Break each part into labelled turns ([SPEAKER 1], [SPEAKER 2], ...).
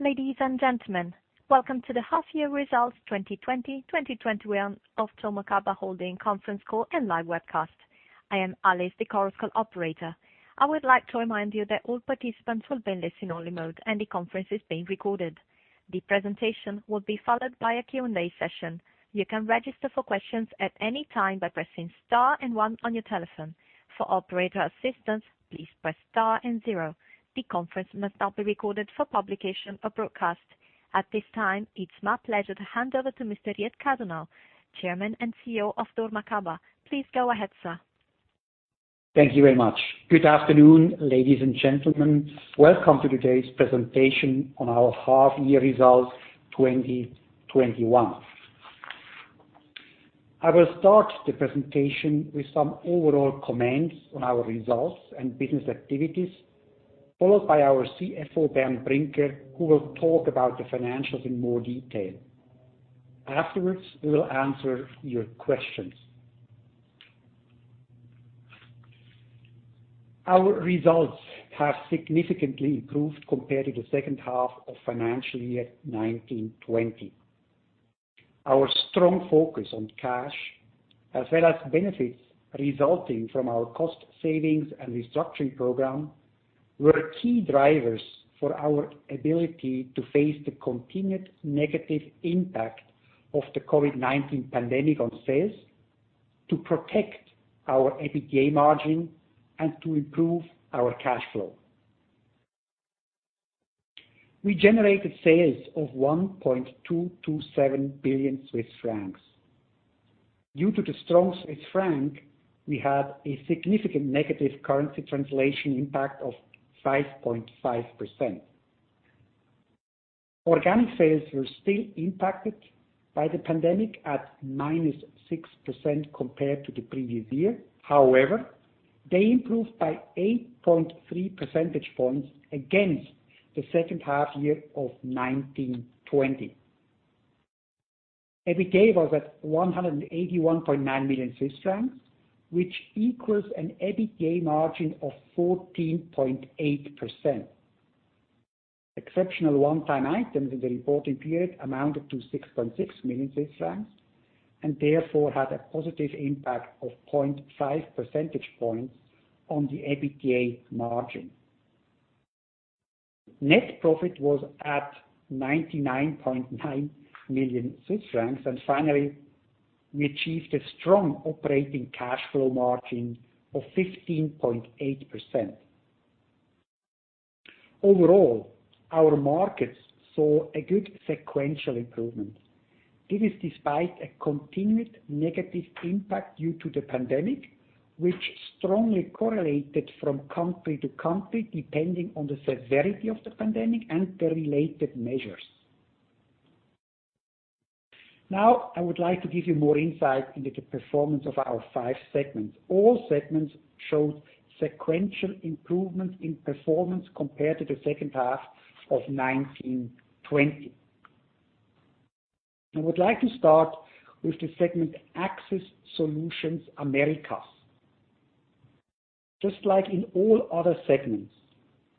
[SPEAKER 1] Ladies and gentlemen, welcome to the half year results 2020/2021 of dormakaba Holding conference call and live webcast. I am Alice, the conference call operator. I would like to remind you that all participants will be in listen-only mode, and the conference is being recorded. The presentation will be followed by a Q&A session. You can register for questions at any time by pressing star and one on your telephone. For operator assistance, please press star and zero. The conference must not be recorded for publication or broadcast. At this time, it is my pleasure to hand over to Mr. Riet Cadonau, Chairman and CEO of dormakaba. Please go ahead, sir.
[SPEAKER 2] Thank you very much. Good afternoon, ladies and gentlemen. Welcome to today's presentation on our half year results 2021. I will start the presentation with some overall comments on our results and business activities, followed by our CFO, Bernd Brinker, who will talk about the financials in more detail. Afterwards, we will answer your questions. Our results have significantly improved compared to the second half of financial year 2019/2020. Our strong focus on cash, as well as benefits resulting from our cost savings and restructuring program, were key drivers for our ability to face the continued negative impact of the COVID-19 pandemic on sales, to protect our EBITDA margin, and to improve our cash flow. We generated sales of 1.227 billion Swiss francs. Due to the strong Swiss franc, we had a significant negative currency translation impact of 5.5%. Organic sales were still impacted by the pandemic at minus 6% compared to the previous year. They improved by 8.3 percentage points against the second half year of 19/20. EBITDA was at 181.9 million Swiss francs, which equals an EBITDA margin of 14.8%. Exceptional one-time items in the reporting period amounted to 6.6 million Swiss francs, and therefore had a positive impact of 0.5 percentage points on the EBITDA margin. Net profit was at 99.9 million Swiss francs, and finally, we achieved a strong operating cash flow margin of 15.8%. Overall, our markets saw a good sequential improvement. This is despite a continued negative impact due to the pandemic, which strongly correlated from country to country, depending on the severity of the pandemic and the related measures. Now, I would like to give you more insight into the performance of our five segments. All segments showed sequential improvement in performance compared to the second half of 2019/2020. I would like to start with the segment Access Solutions Americas. Just like in all other segments,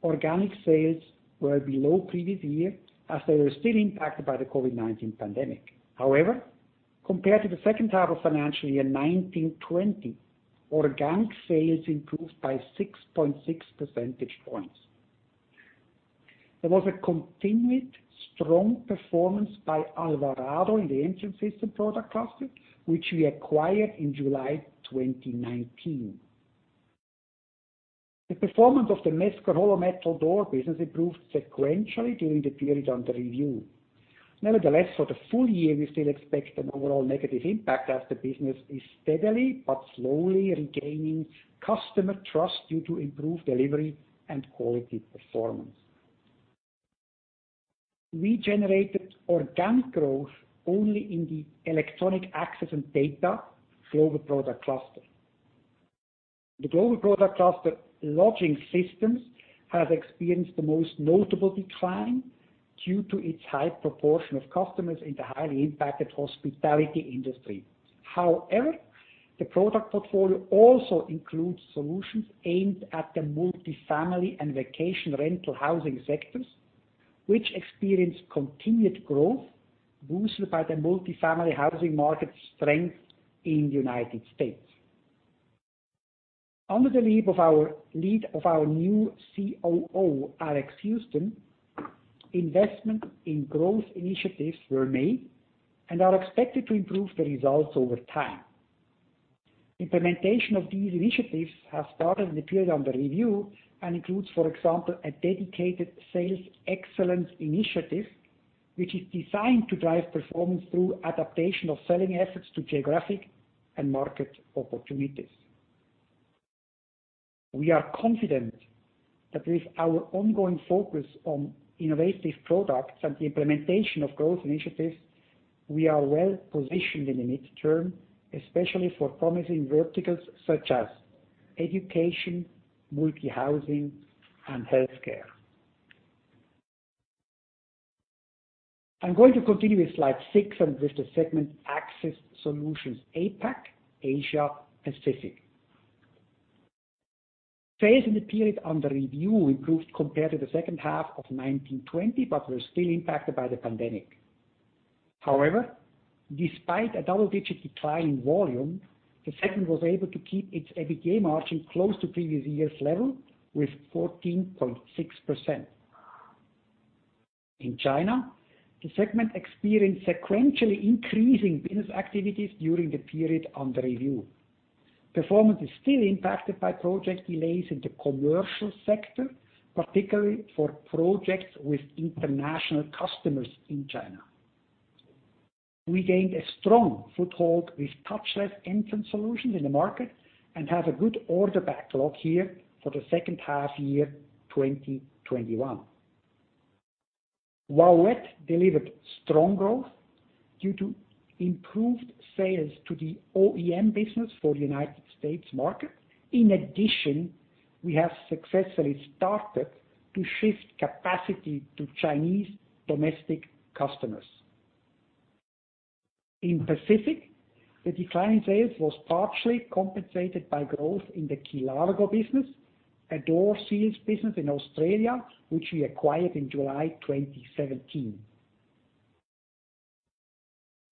[SPEAKER 2] organic sales were below previous year as they were still impacted by the COVID-19 pandemic. However, compared to the second half of financial year 2019/2020, organic sales improved by 6.6 percentage points. There was a continued strong performance by Alvarado in the entrance system product cluster, which we acquired in July 2019. The performance of the Mesker Hollow Metal Door business improved sequentially during the period under review. Nevertheless, for the full year, we still expect an overall negative impact as the business is steadily but slowly regaining customer trust due to improved delivery and quality performance. We generated organic growth only in the Electronic Access & Data global product cluster. The global product cluster lodging systems have experienced the most notable decline due to its high proportion of customers in the highly impacted hospitality industry. However, the product portfolio also includes solutions aimed at the multifamily and vacation rental housing sectors, which experience continued growth boosted by the multifamily housing market strength in the U.S. Under the lead of our new COO, Alex Housten, investment in growth initiatives were made and are expected to improve the results over time. Implementation of these initiatives have started in the period under review and includes, for example, a dedicated sales excellence initiative, which is designed to drive performance through adaptation of selling efforts to geographic and market opportunities. We are confident that with our ongoing focus on innovative products and the implementation of growth initiatives, we are well-positioned in the midterm, especially for promising verticals such as education, multi-housing, and healthcare. I'm going to continue with slide 6 and with the segment Access Solutions APAC, Asia, and Pacific. Sales in the period under review improved compared to the second half of 2020, but were still impacted by the pandemic. However, despite a double-digit decline in volume, the segment was able to keep its EBITDA margin close to previous year's level with 14.6%. In China, the segment experienced sequentially increasing business activities during the period under review. Performance is still impacted by project delays in the commercial sector, particularly for projects with international customers in China. We gained a strong foothold with touchless entrance solutions in the market and have a good order backlog here for the second half year 2021. Wah Yuet delivered strong growth due to improved sales to the OEM business for the United States market. In addition, we have successfully started to shift capacity to Chinese domestic customers. In Pacific, the decline in sales was partially compensated by growth in the Kilargo business, a door seals business in Australia, which we acquired in July 2017.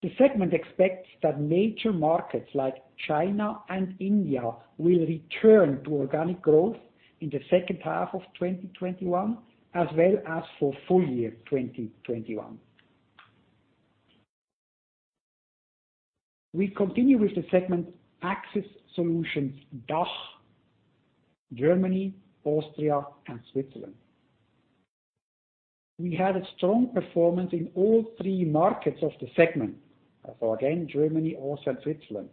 [SPEAKER 2] The segment expects that major markets like China and India will return to organic growth in the second half of 2021, as well as for full year 2021. We continue with the segment Access Solutions DACH, Germany, Austria, and Switzerland. We had a strong performance in all three markets of the segment, so again, Germany, Austria, and Switzerland.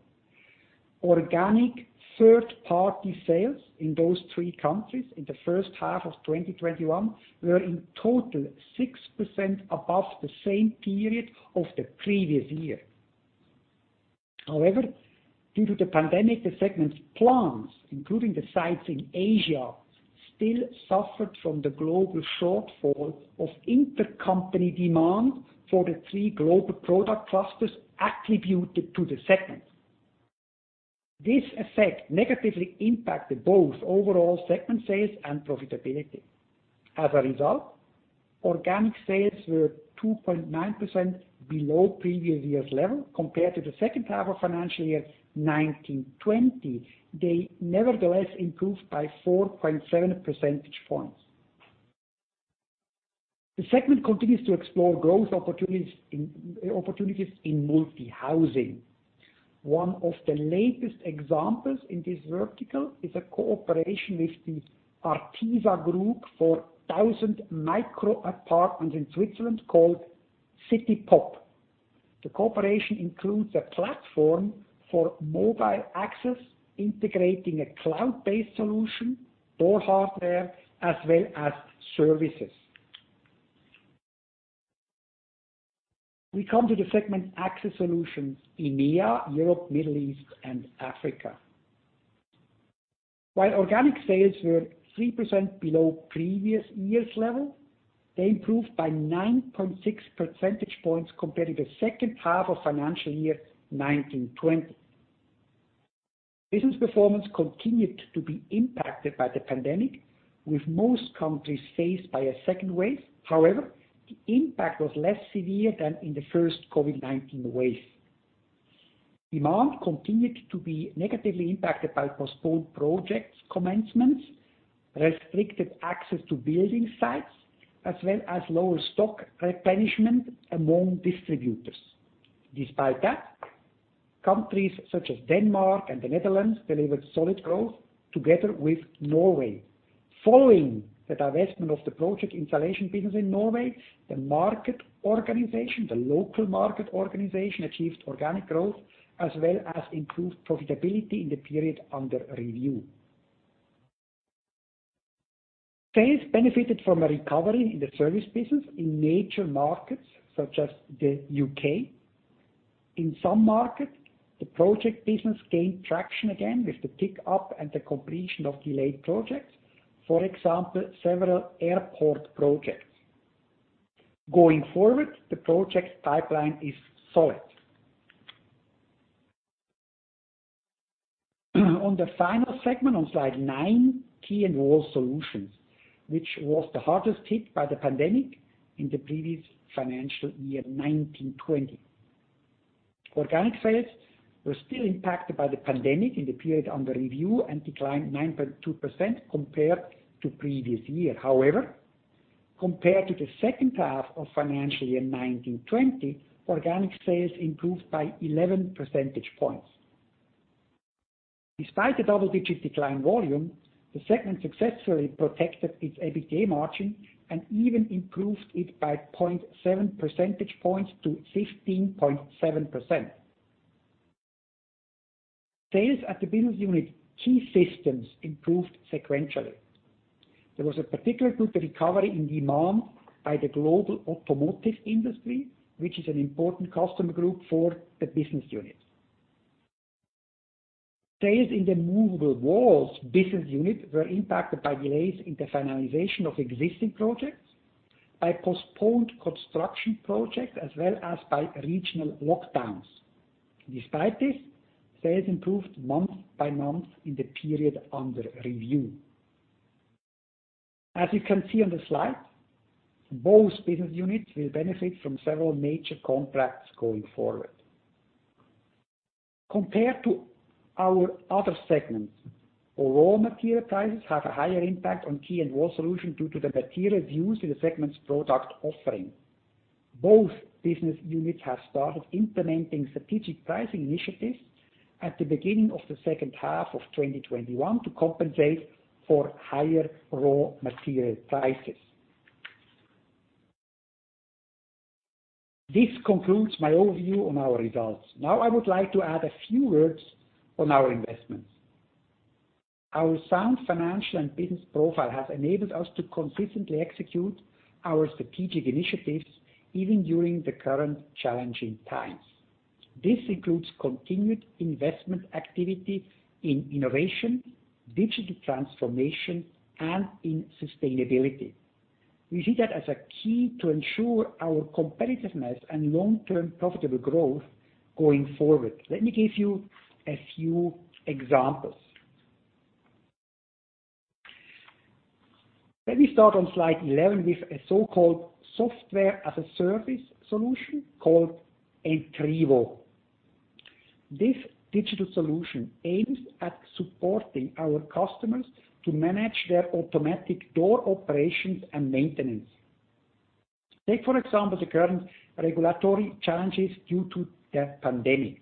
[SPEAKER 2] Organic third-party sales in those three countries in the first half of 2021 were in total 6% above the same period of the previous year. However, due to the pandemic, the segment's plants, including the sites in Asia, still suffered from the global shortfall of intercompany demand for the three global product clusters attributed to the segment. This effect negatively impacted both overall segment sales and profitability. As a result, organic sales were 2.9% below previous year's level compared to the second half of financial year 2019/2020. They nevertheless improved by 4.7 percentage points. The segment continues to explore growth opportunities in multi-housing. One of the latest examples in this vertical is a cooperation with the Artisa Group for 1,000 micro apartments in Switzerland called CityPop. The cooperation includes a platform for mobile access, integrating a cloud-based solution, door hardware, as well as services. We come to the segment Access Solutions EMEA, Europe, Middle East, and Africa. While organic sales were 3% below previous year's level, they improved by 9.6 percentage points compared to the second half of financial year 2019/2020. Business performance continued to be impacted by the pandemic, with most countries faced by a second wave. However, the impact was less severe than in the first COVID-19 wave. Demand continued to be negatively impacted by postponed project commencements, restricted access to building sites, as well as lower stock replenishment among distributors. Despite that, countries such as Denmark and the Netherlands delivered solid growth together with Norway. Following the divestment of the project installation business in Norway, the local market organization achieved organic growth as well as improved profitability in the period under review. Sales benefited from a recovery in the service business in major markets such as the U.K. In some markets, the project business gained traction again with the pick-up and the completion of delayed projects, for example, several airport projects. Going forward, the project pipeline is solid. On the final segment on slide nine, Key & Wall Solutions, which was the hardest hit by the pandemic in the previous financial year, 2019/2020. Organic sales were still impacted by the pandemic in the period under review and declined 9.2% compared to previous year. However, compared to the second half of financial year 2019/2020, organic sales improved by 11 percentage points. Despite the double-digit decline volume, the segment successfully protected its EBITDA margin and even improved it by 0.7 percentage points to 15.7%. Sales at the business unit Key Systems improved sequentially. There was a particularly good recovery in demand by the global automotive industry, which is an important customer group for the business unit. Sales in the Movable Walls business unit were impacted by delays in the finalization of existing projects, by postponed construction projects, as well as by regional lockdowns. Despite this, sales improved month by month in the period under review. As you can see on the slide, both business units will benefit from several major contracts going forward. Compared to our other segments, raw material prices have a higher impact on Key & Wall Solutions due to the materials used in the segment's product offering. Both business units have started implementing strategic pricing initiatives at the beginning of the second half of 2021 to compensate for higher raw material prices. This concludes my overview on our results. Now I would like to add a few words on our investments. Our sound financial and business profile has enabled us to consistently execute our strategic initiatives, even during the current challenging times. This includes continued investment activity in innovation, digital transformation, and in sustainability. We see that as a key to ensure our competitiveness and long-term profitable growth going forward. Let me give you a few examples. Let me start on slide 11 with a so-called Software-as-a-Service solution called Entrivo. This digital solution aims at supporting our customers to manage their automatic door operations and maintenance. Take, for example, the current regulatory challenges due to the pandemic.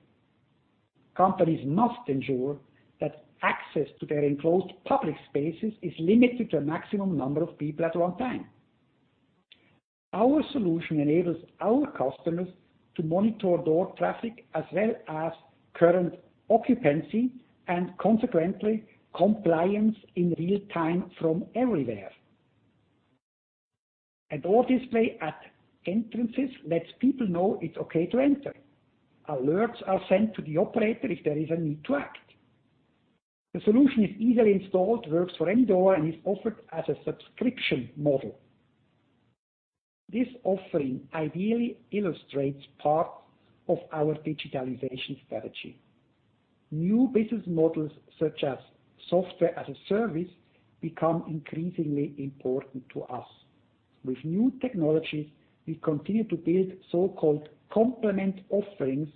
[SPEAKER 2] Companies must ensure that access to their enclosed public spaces is limited to a maximum number of people at one time. Our solution enables our customers to monitor door traffic as well as current occupancy, and consequently, compliance in real time from everywhere. A door display at entrances lets people know it's okay to enter. Alerts are sent to the operator if there is a need to act. The solution is easily installed, works for any door, and is offered as a subscription model. This offering ideally illustrates part of our digitalization strategy. New business models, such as Software-as-a-Service, become increasingly important to us. With new technologies, we continue to build so-called complement offerings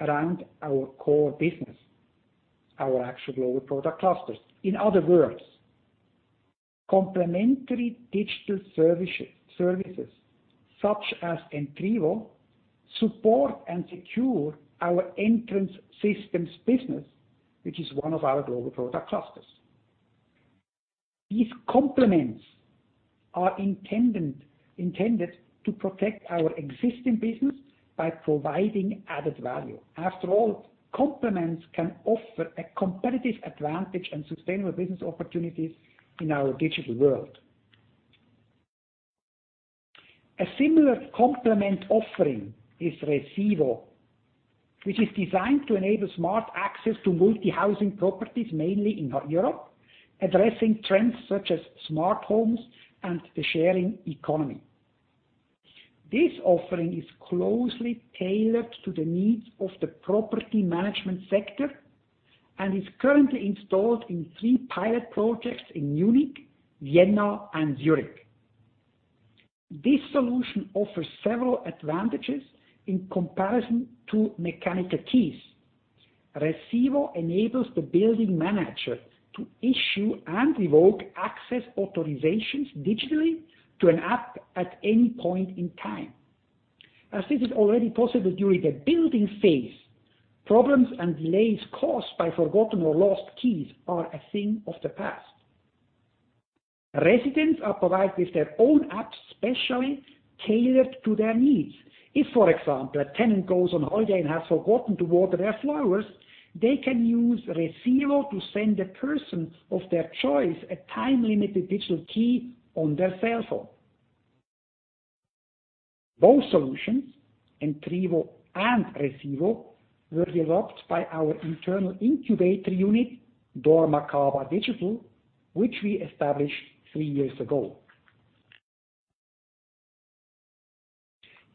[SPEAKER 2] around our core business, our actual global product clusters. In other words, complementary digital services, such as Entrivo, support and secure our entrance systems business, which is one of our global product clusters. These complements are intended to protect our existing business by providing added value. After all, complements can offer a competitive advantage and sustainable business opportunities in our digital world. A similar complement offering is resivo, which is designed to enable smart access to multi-housing properties, mainly in Europe, addressing trends such as smart homes and the sharing economy. This offering is closely tailored to the needs of the property management sector and is currently installed in three pilot projects in Munich, Vienna, and Zurich. This solution offers several advantages in comparison to mechanical keys. resivo enables the building manager to issue and revoke access authorizations digitally to an app at any point in time. As this is already possible during the building phase, problems and delays caused by forgotten or lost keys are a thing of the past. Residents are provided with their own apps specially tailored to their needs. If, for example, a tenant goes on holiday and has forgotten to water their flowers, they can use resivo to send a person of their choice a time-limited digital key on their cell phone. Both solutions, Entrivo and resivo, were developed by our internal incubator unit, dormakaba Digital, which we established three years ago.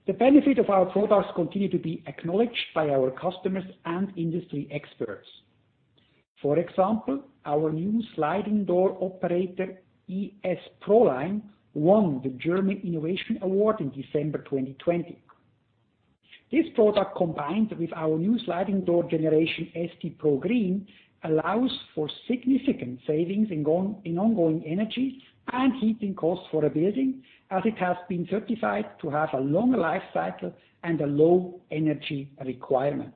[SPEAKER 2] The benefit of our products continue to be acknowledged by our customers and industry experts. For example, our new sliding door operator, ES PROLINE, won the German Innovation Award in December 2020. This product, combined with our new sliding door generation, ST PRO Green, allows for significant savings in ongoing energy and heating costs for a building, as it has been certified to have a long life cycle and a low energy requirement.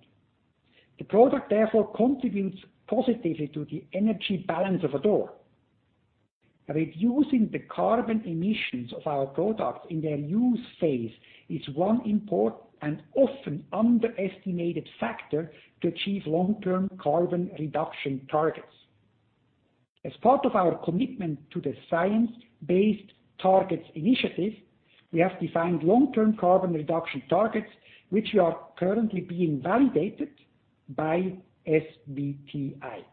[SPEAKER 2] The product therefore contributes positively to the energy balance of a door. Reducing the carbon emissions of our products in their use phase is one important and often underestimated factor to achieve long-term carbon reduction targets. As part of our commitment to the Science Based Targets initiative, we have defined long-term carbon reduction targets, which are currently being validated by SBTi.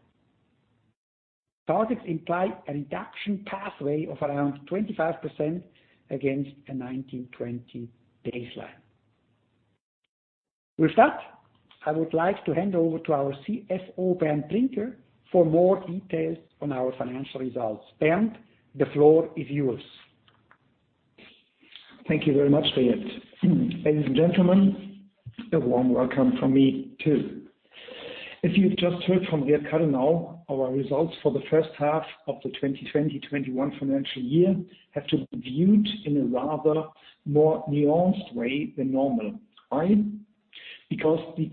[SPEAKER 2] Targets imply a reduction pathway of around 25% against a 19/20 baseline. I would like to hand over to our CFO, Bernd Brinker, for more details on our financial results. Bernd, the floor is yours.
[SPEAKER 3] Thank you very much, Riet. Ladies and gentlemen, a warm welcome from me, too. If you've just heard from Riet Cadonau now, our results for the first half of the 2020/21 financial year have to be viewed in a rather more nuanced way than normal. Why? Because the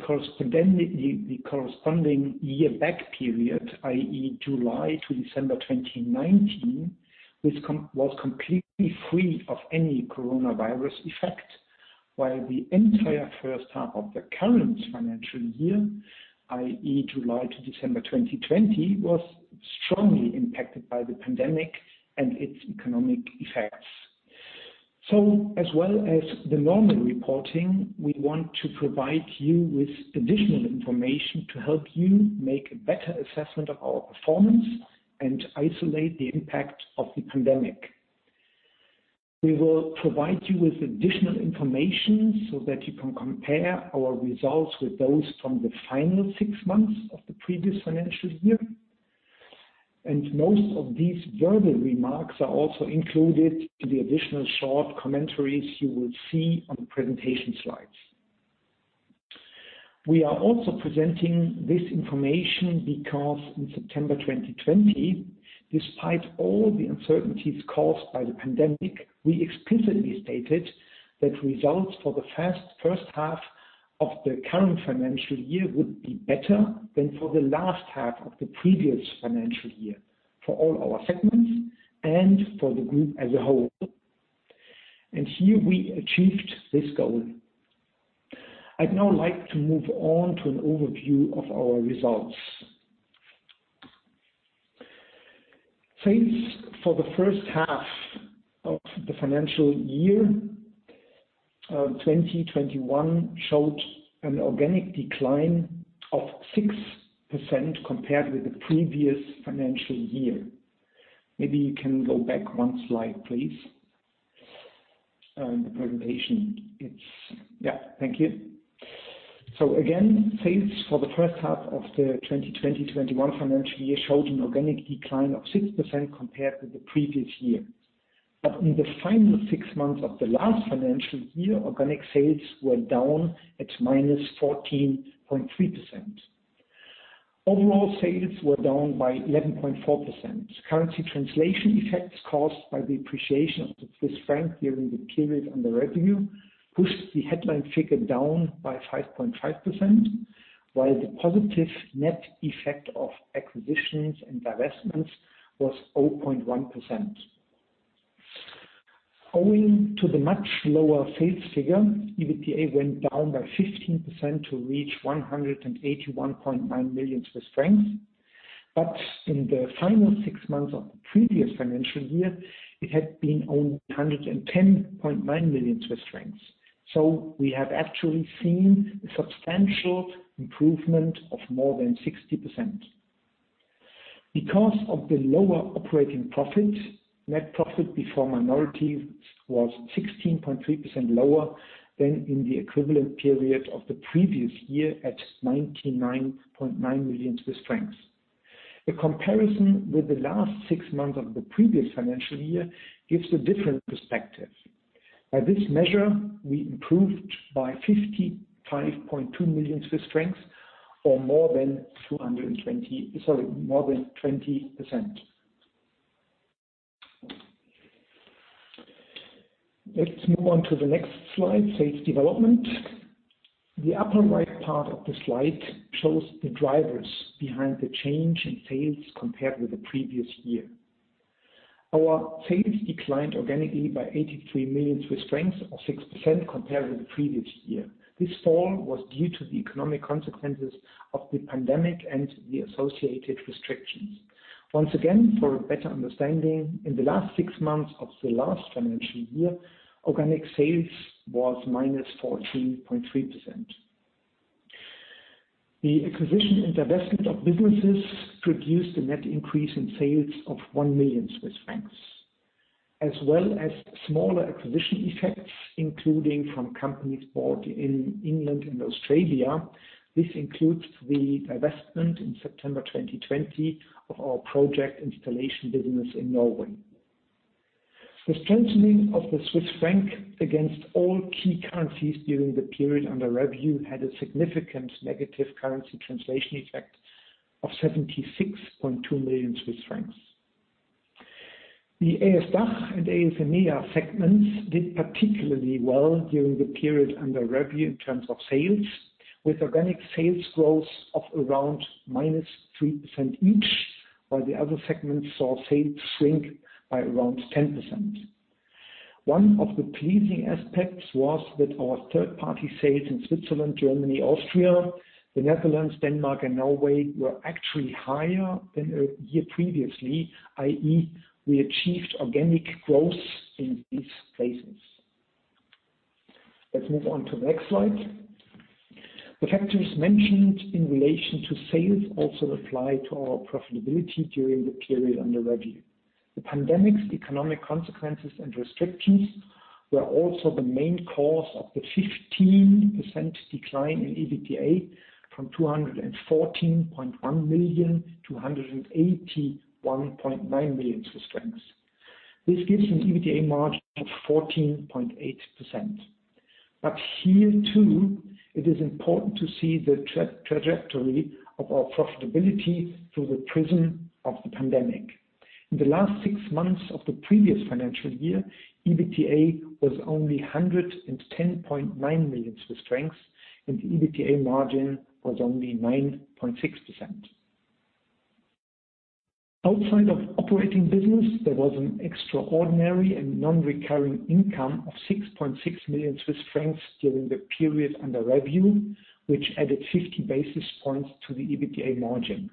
[SPEAKER 3] corresponding year back period, i.e., July to December 2019, was completely free of any coronavirus effect. While the entire first half of the current financial year, i.e., July to December 2020, was strongly impacted by the pandemic and its economic effects. As well as the normal reporting, we want to provide you with additional information to help you make a better assessment of our performance and isolate the impact of the pandemic. We will provide you with additional information so that you can compare our results with those from the final six months of the previous financial year. Most of these verbal remarks are also included in the additional short commentaries you will see on the presentation slides. We are also presenting this information because in September 2020, despite all the uncertainties caused by the pandemic, we explicitly stated that results for the first half of the current financial year would be better than for the last half of the previous financial year, for all our segments and for the group as a whole. Here we achieved this goal. I'd now like to move on to an overview of our results. Sales for the first half of the financial year of 2021 showed an organic decline of 6% compared with the previous financial year. Maybe you can go back one slide, please. The presentation. Yeah. Thank you. Again, sales for the first half of the 2020/21 financial year showed an organic decline of 6% compared with the previous year. In the final six months of the last financial year, organic sales were down at -14.3%. Overall sales were down by 11.4%. Currency translation effects caused by the appreciation of the Swiss franc during the period on the revenue pushed the headline figure down by 5.5%, while the positive net effect of acquisitions and divestments was 0.1%. Owing to the much lower sales figure, EBITDA went down by 15% to reach 181.9 million Swiss francs, but in the final six months of the previous financial year, it had been only 110.9 million Swiss francs. We have actually seen a substantial improvement of more than 60%. Because of the lower operating profit, net profit before minority was 16.3% lower than in the equivalent period of the previous year at 99.9 million Swiss francs. A comparison with the last six months of the previous financial year gives a different perspective. By this measure, we improved by 55.2 million Swiss francs or more than 20%. Let's move on to the next slide, sales development. The upper right part of the slide shows the drivers behind the change in sales compared with the previous year. Our sales declined organically by 83 million Swiss francs or 6% compared with the previous year. This fall was due to the economic consequences of the pandemic and the associated restrictions. Once again, for a better understanding, in the last six months of the last financial year, organic sales was -14.3%. The acquisition and divestment of businesses produced a net increase in sales of 1 million Swiss francs, as well as smaller acquisition effects, including from companies bought in England and Australia. This includes the divestment in September 2020 of our project installation business in Norway. The strengthening of the Swiss franc against all key currencies during the period under review had a significant negative currency translation effect of 76.2 million Swiss francs. The AS DACH and AS EMEA segments did particularly well during the period under review in terms of sales, with organic sales growth of around -3% each, while the other segments saw sales shrink by around 10%. One of the pleasing aspects was that our third-party sales in Switzerland, Germany, Austria, the Netherlands, Denmark, and Norway were actually higher than the year previously, i.e., we achieved organic growth in these places. Let's move on to the next slide. The factors mentioned in relation to sales also apply to our profitability during the period under review. The pandemic's economic consequences and restrictions were also the main cause of the 15% decline in EBITDA from 214.1 million-181.9 million. This gives an EBITDA margin of 14.8%. Here, too, it is important to see the trajectory of our profitability through the prism of the pandemic. In the last six months of the previous financial year, EBITDA was only 110.9 million Swiss francs, and the EBITDA margin was only 9.6%. Outside of operating business, there was an extraordinary and non-recurring income of 6.6 million Swiss francs during the period under review, which added 50 basis points to the EBITDA margin.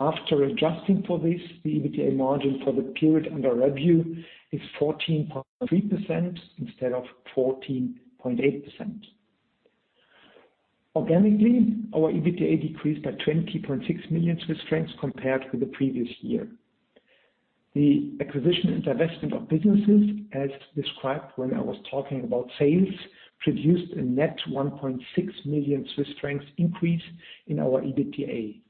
[SPEAKER 3] After adjusting for this, the EBITDA margin for the period under review is 14.3% instead of 14.8%. Organically, our EBITDA decreased by 20.6 million Swiss francs compared with the previous year. The acquisition and divestment of businesses, as described when I was talking about sales, produced a net 1.6 million Swiss francs increase in our EBITDA.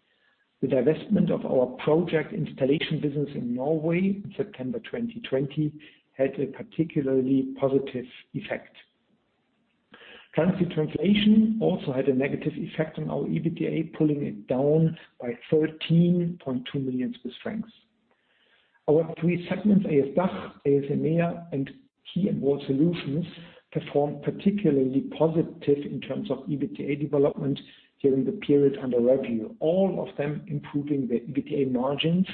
[SPEAKER 3] The divestment of our project installation business in Norway in September 2020 had a particularly positive effect. Currency translation also had a negative effect on our EBITDA, pulling it down by 13.2 million Swiss francs. Our three segments, AS DACH, AS EMEA, and Key & Wall Solutions, performed particularly positive in terms of EBITDA development during the period under review. All of them improving the EBITDA margins,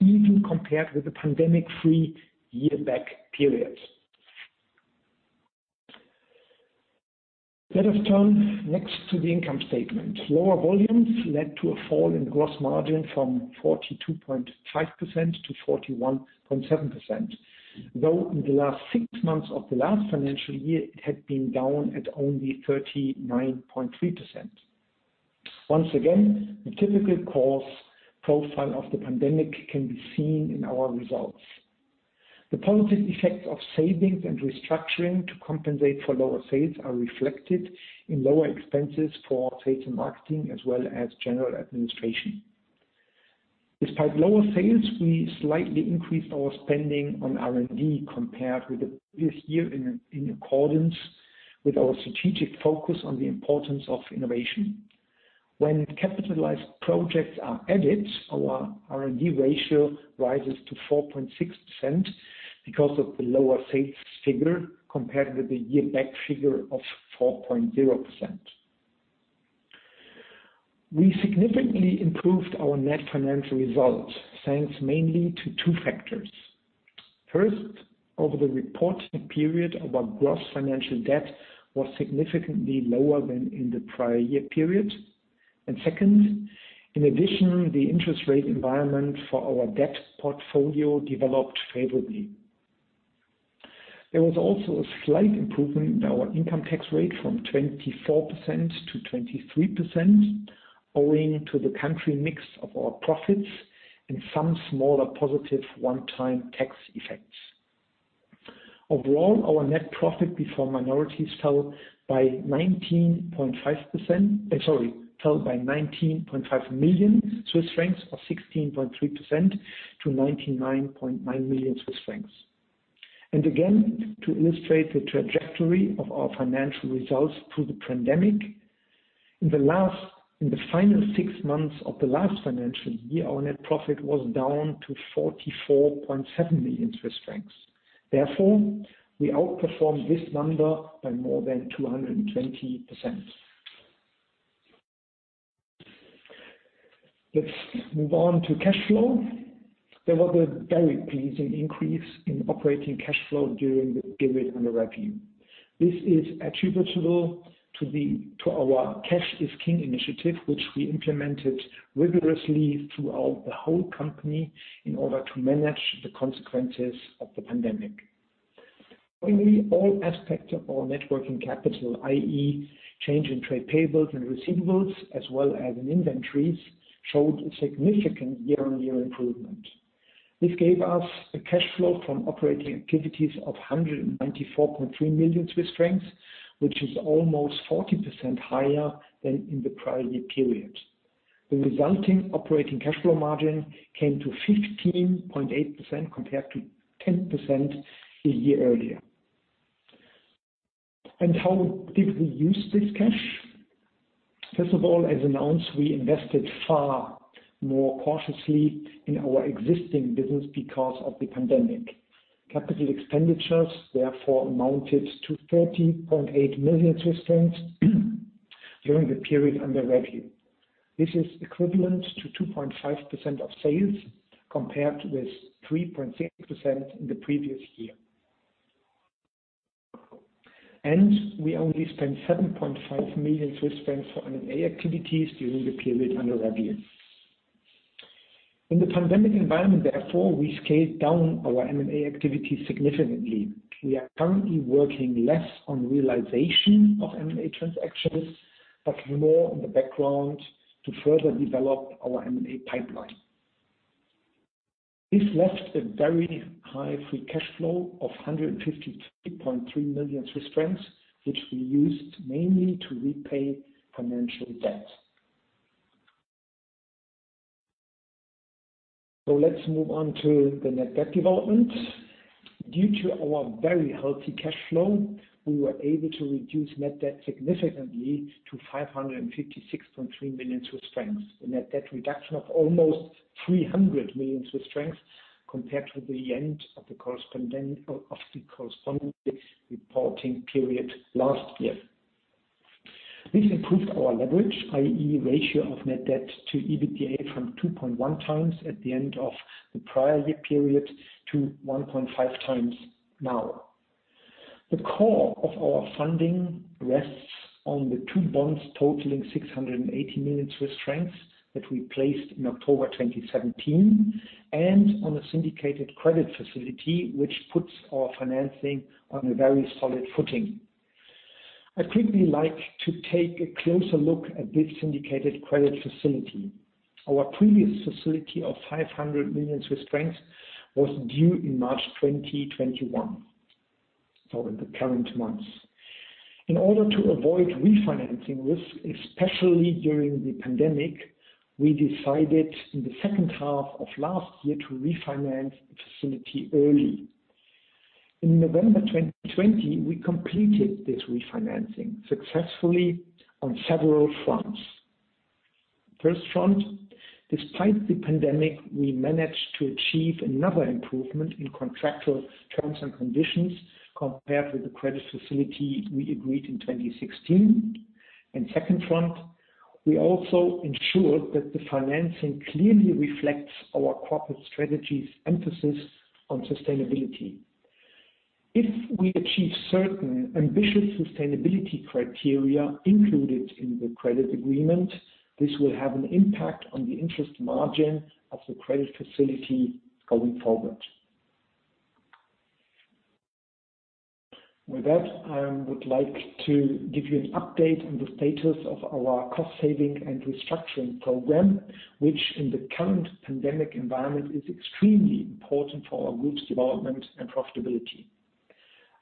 [SPEAKER 3] even compared with the pandemic-free year-back period. Let us turn next to the income statement. Lower volumes led to a fall in gross margin from 42.5%-41.7%. Though, in the last six months of the last financial year, it had been down at only 39.3%. Once again, the typical cost profile of the pandemic can be seen in our results. The positive effects of savings and restructuring to compensate for lower sales are reflected in lower expenses for sales and marketing, as well as general administration. Despite lower sales, we slightly increased our spending on R&D compared with the previous year in accordance with our strategic focus on the importance of innovation. When capitalized projects are added, our R&D ratio rises to 4.6% because of the lower sales figure compared with the year-back figure of 4.0%. We significantly improved our net financial results, thanks mainly to two factors. First, over the reporting period, our gross financial debt was significantly lower than in the prior year period. Second, in addition, the interest rate environment for our debt portfolio developed favorably. There was also a slight improvement in our income tax rate from 24%-23%, owing to the country mix of our profits and some smaller positive one-time tax effects. Overall, our net profit before minorities fell by 19.5 million Swiss francs or 16.3% to 99.9 million Swiss francs. Again, to illustrate the trajectory of our financial results through the pandemic, in the final six months of the last financial year, our net profit was down to 44.7 million Swiss francs. Therefore, we outperformed this number by more than 220%. Let's move on to cash flow. There was a very pleasing increase in operating cash flow during the period under review. This is attributable to our Cash is King initiative, which we implemented rigorously throughout the whole company in order to manage the consequences of the pandemic. Currently, all aspects of our net working capital, i.e., change in trade payables and receivables, as well as in inventories, showed a significant year-on-year improvement. This gave us a cash flow from operating activities of 194.3 million Swiss francs, which is almost 40% higher than in the prior year period. The resulting operating cash flow margin came to 15.8% compared to 10% a year earlier. How did we use this cash? First of all, as announced, we invested far more cautiously in our existing business because of the pandemic. Capital expenditures, therefore, amounted to 30.8 million Swiss francs. During the period under review. This is equivalent to 2.5% of sales compared with 3.6% in the previous year. We only spent 7.5 million Swiss francs for M&A activities during the period under review. In the pandemic environment, therefore, we scaled down our M&A activity significantly. We are currently working less on realization of M&A transactions, but more on the background to further develop our M&A pipeline. This left a very high free cash flow of 153.3 million Swiss francs, which we used mainly to repay financial debt. Let's move on to the net debt development. Due to our very healthy cash flow, we were able to reduce net debt significantly to 556.3 million Swiss francs. A net debt reduction of almost 300 million Swiss francs compared with the end of the corresponding reporting period last year. This improved our leverage, i.e., ratio of net debt to EBITDA from 2.1x at the end of the prior year period to 1.5x now. The core of our funding rests on the two bonds totaling 680 million Swiss francs that we placed in October 2017, and on a syndicated credit facility, which puts our financing on a very solid footing. I'd quickly like to take a closer look at this syndicated credit facility. Our previous facility of 500 million Swiss francs was due in March 2021, so in the current months. In order to avoid refinancing risk, especially during the pandemic, we decided in the second half of last year to refinance the facility early. In November 2020, we completed this refinancing successfully on several fronts. First front, despite the pandemic, we managed to achieve another improvement in contractual terms and conditions compared with the credit facility we agreed to in 2016. Second front, we also ensured that the financing clearly reflects our corporate strategy's emphasis on sustainability. If we achieve certain ambitious sustainability criteria included in the credit agreement, this will have an impact on the interest margin of the credit facility going forward. With that, I would like to give you an update on the status of our Group-wide Cost-Saving and Restructuring Program, which in the current pandemic environment, is extremely important for our Group's development and profitability.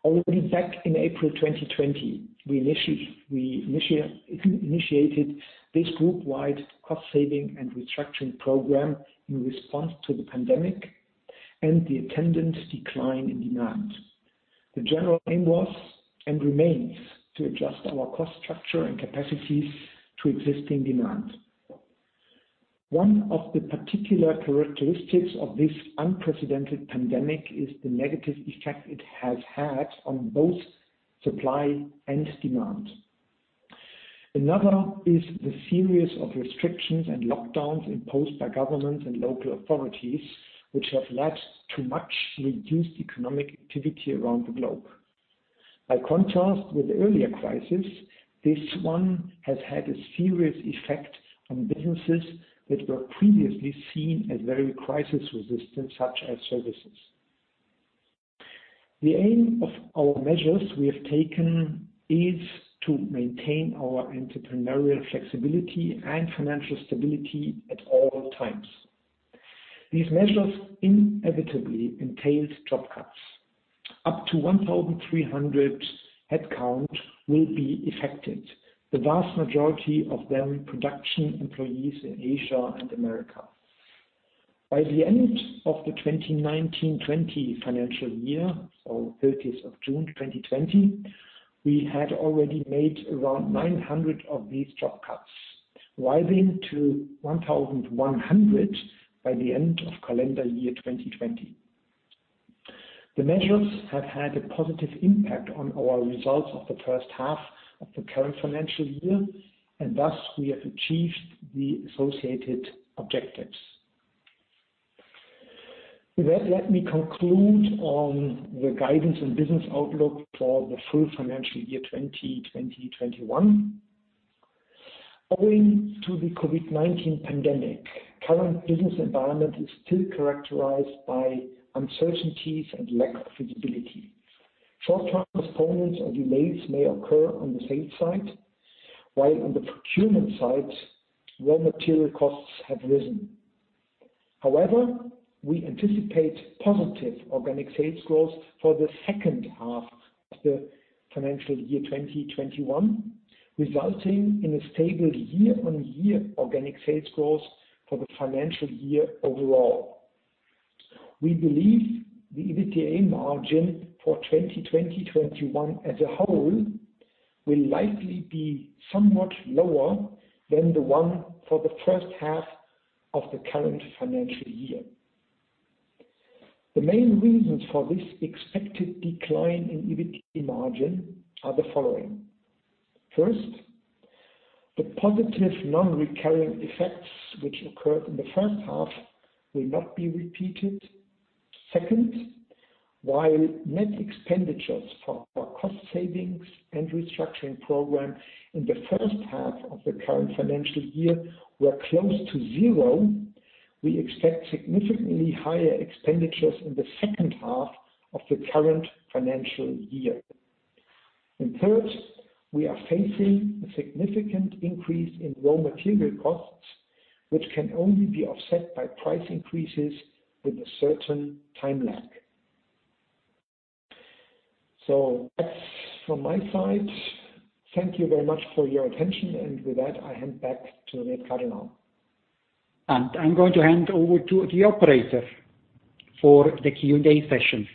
[SPEAKER 3] Already back in April 2020, we initiated this Group-wide Cost-Saving and Restructuring Program in response to the pandemic and the attendant decline in demand. The general aim was, and remains, to adjust our cost structure and capacities to existing demand. One of the particular characteristics of this unprecedented pandemic is the negative effect it has had on both supply and demand. Another is the series of restrictions and lockdowns imposed by governments and local authorities, which have led to much reduced economic activity around the globe. By contrast with earlier crisis, this one has had a serious effect on businesses that were previously seen as very crisis resistant, such as services. The aim of our measures we have taken is to maintain our entrepreneurial flexibility and financial stability at all times. These measures inevitably entails job cuts. Up to 1,300 headcount will be affected, the vast majority of them production employees in Asia and Americas. By the end of the 2019/20 financial year, so 30th of June 2020, we had already made around 900 of these job cuts, rising to 1,100 by the end of calendar year 2020. The measures have had a positive impact on our results of the first half of the current financial year, and thus we have achieved the associated objectives. With that, let me conclude on the guidance and business outlook for the full financial year 2020/21. Owing to the COVID-19 pandemic, current business environment is still characterized by uncertainties and lack of visibility. Short-term postponements or delays may occur on the sales side, while on the procurement side, raw material costs have risen. We anticipate positive organic sales growth for the second half of the financial year 2021, resulting in a stable year-on-year organic sales growth for the financial year overall. We believe the EBITDA margin for 2020/21 as a whole will likely be somewhat lower than the one for the first half of the current financial year. The main reasons for this expected decline in EBIT margin are the following. First, the positive non-recurring effects which occurred in the first half will not be repeated. Second, while net expenditures for our cost savings and restructuring program in the first half of the current financial year were close to zero, we expect significantly higher expenditures in the second half of the current financial year. Third, we are facing a significant increase in raw material costs, which can only be offset by price increases with a certain time lag. That's from my side. Thank you very much for your attention, and with that, I hand back to Riet Cadonau.
[SPEAKER 2] I'm going to hand over to the operator for the Q&A session.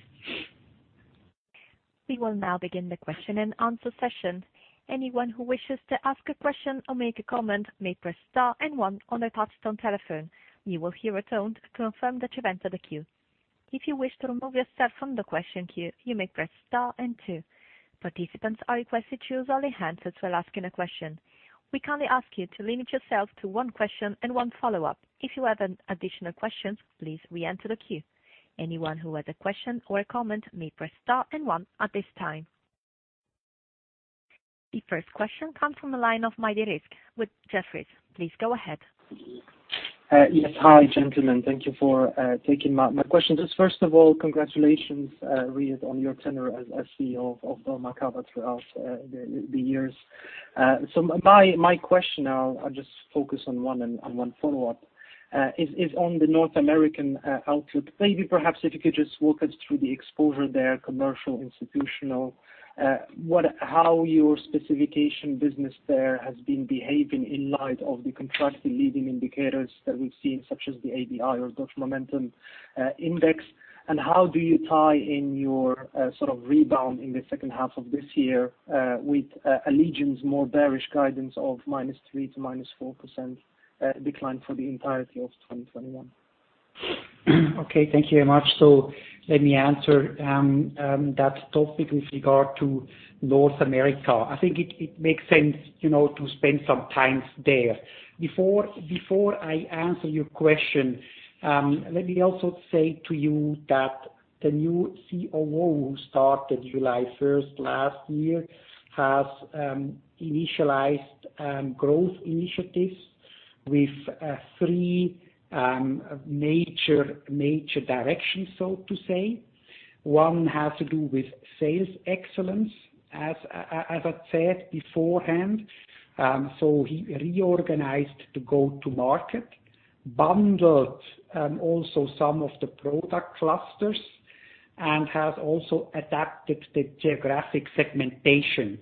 [SPEAKER 1] We will now begin the question and answer session. Anyone who wishes to ask a question or make a comment may press star and one on their touch-tone telephone. You will hear a tone to confirm that you've entered the queue. If you wish to remove yourself from the question queue, you may press Star and two. Participants are requested to use only answers while asking a question. We kindly ask you to limit yourself to one question and one follow-up. If you have any additional questions, please re-enter the queue. Anyone who has a question or a comment may press Star and one at this time. The first question comes from the line of Rizk Maidi with Jefferies. Please go ahead.
[SPEAKER 4] Yes. Hi, gentlemen. Thank you for taking my questions. First of all, congratulations, Riet, on your tenure as CEO of dormakaba throughout the years. My question now, I'll just focus on one and one follow-up, is on the North American outlook. Maybe perhaps if you could just walk us through the exposure there, commercial, institutional, how your specification business there has been behaving in light of the contracted leading indicators that we've seen, such as the ABI or Dodge Momentum Index. How do you tie in your sort of rebound in the second half of this year with Allegion's more bearish guidance of -3% to -4% decline for the entirety of 2021?
[SPEAKER 2] Okay, thank you very much. Let me answer that topic with regard to North America. I think it makes sense to spend some time there. Before I answer your question, let me also say to you that the new COO, who started July 1 last year, has initialized growth initiatives with three major directions, so to say. One has to do with sales excellence, as I said beforehand. He reorganized the go-to market, bundled also some of the product clusters, and has also adapted the geographic segmentation,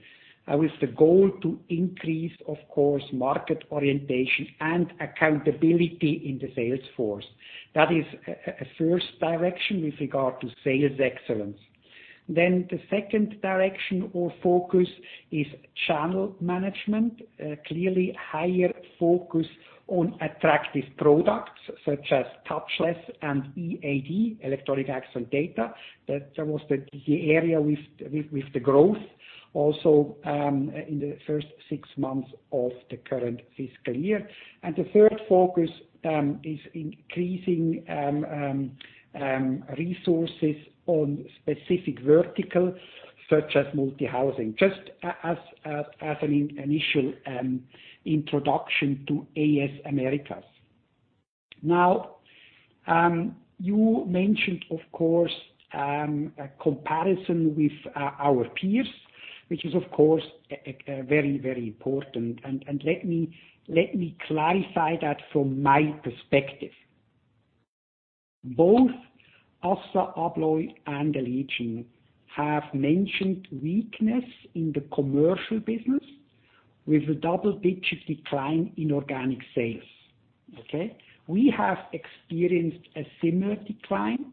[SPEAKER 2] with the goal to increase, of course, market orientation and accountability in the sales force. That is a first direction with regard to sales excellence. The second direction or focus is channel management, clearly higher focus on attractive products such as touchless and EAD, Electronic Access & Data. That was the area with the growth also in the first six months of the current fiscal year. The third focus is increasing resources on specific vertical, such as multi-housing, just as an initial introduction to AS Americas. You mentioned, of course, a comparison with our peers, which is, of course, very, very important. Let me clarify that from my perspective. Both ASSA ABLOY and Allegion have mentioned weakness in the commercial business with a double-digit decline in organic sales. Okay? We have experienced a similar decline.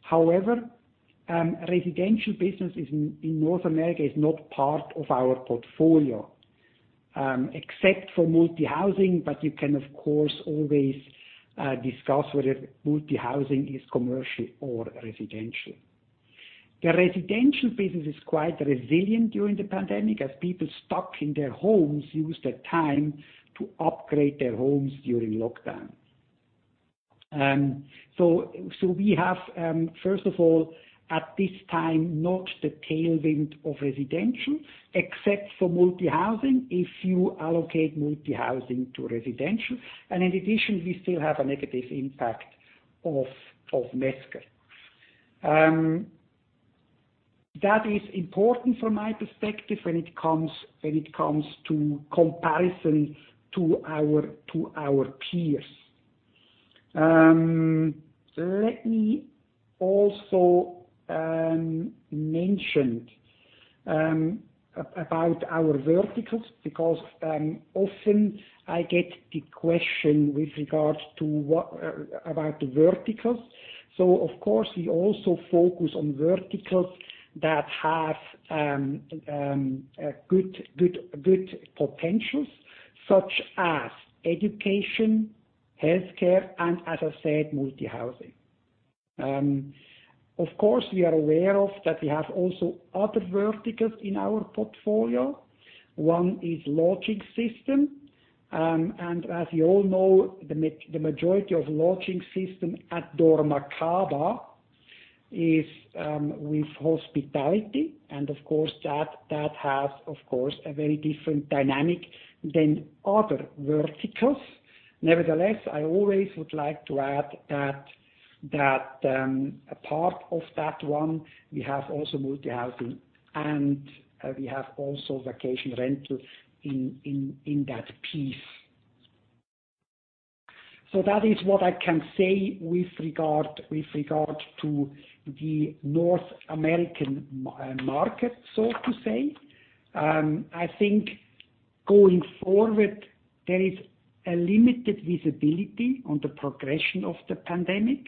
[SPEAKER 2] However, residential businesses in North America is not part of our portfolio, except for multi-housing, but you can, of course, always discuss whether multi-housing is commercial or residential. The residential business is quite resilient during the pandemic, as people stuck in their homes used that time to upgrade their homes during lockdown. We have, first of all, at this time, not the tailwind of residential, except for multi-housing, if you allocate multi-housing to residential, and in addition, we still have a negative impact of Mesker. That is important from my perspective when it comes to comparison to our peers. Let me also mention about our verticals, because often I get the question with regards about the verticals. Of course, we also focus on verticals that have good potentials, such as education, healthcare, and as I said, multi-housing. Of course, we are aware that we have also other verticals in our portfolio. One is lodging system. As you all know, the majority of lodging system at dormakaba is with hospitality, and that has, of course, a very different dynamic than other verticals. Nevertheless, I always would like to add that a part of that one, we have also multi-housing, and we have also vacation rental in that piece. That is what I can say with regard to the North American market, so to say. I think going forward, there is a limited visibility on the progression of the pandemic,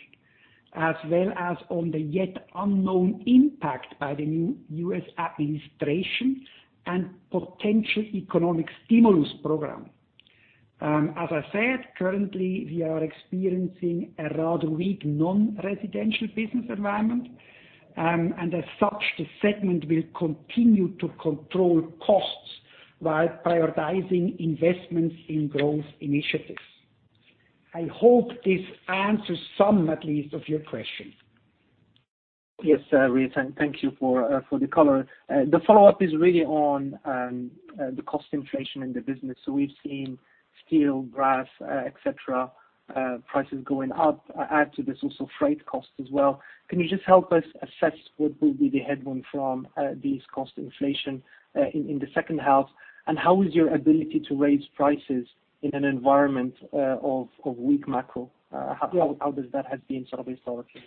[SPEAKER 2] as well as on the yet unknown impact by the new U.S. administration and potential economic stimulus program. As I said, currently, we are experiencing a rather weak non-residential business environment. As such, the segment will continue to control costs while prioritizing investments in growth initiatives. I hope this answers some at least of your questions.
[SPEAKER 4] Yes, Riet, and thank you for the color. The follow-up is really on the cost inflation in the business. We've seen steel, brass, et cetera, prices going up. Add to this also freight costs as well. Can you just help us assess what will be the headwind from this cost inflation in the second half? How is your ability to raise prices in an environment of weak macro? How does that have been historically?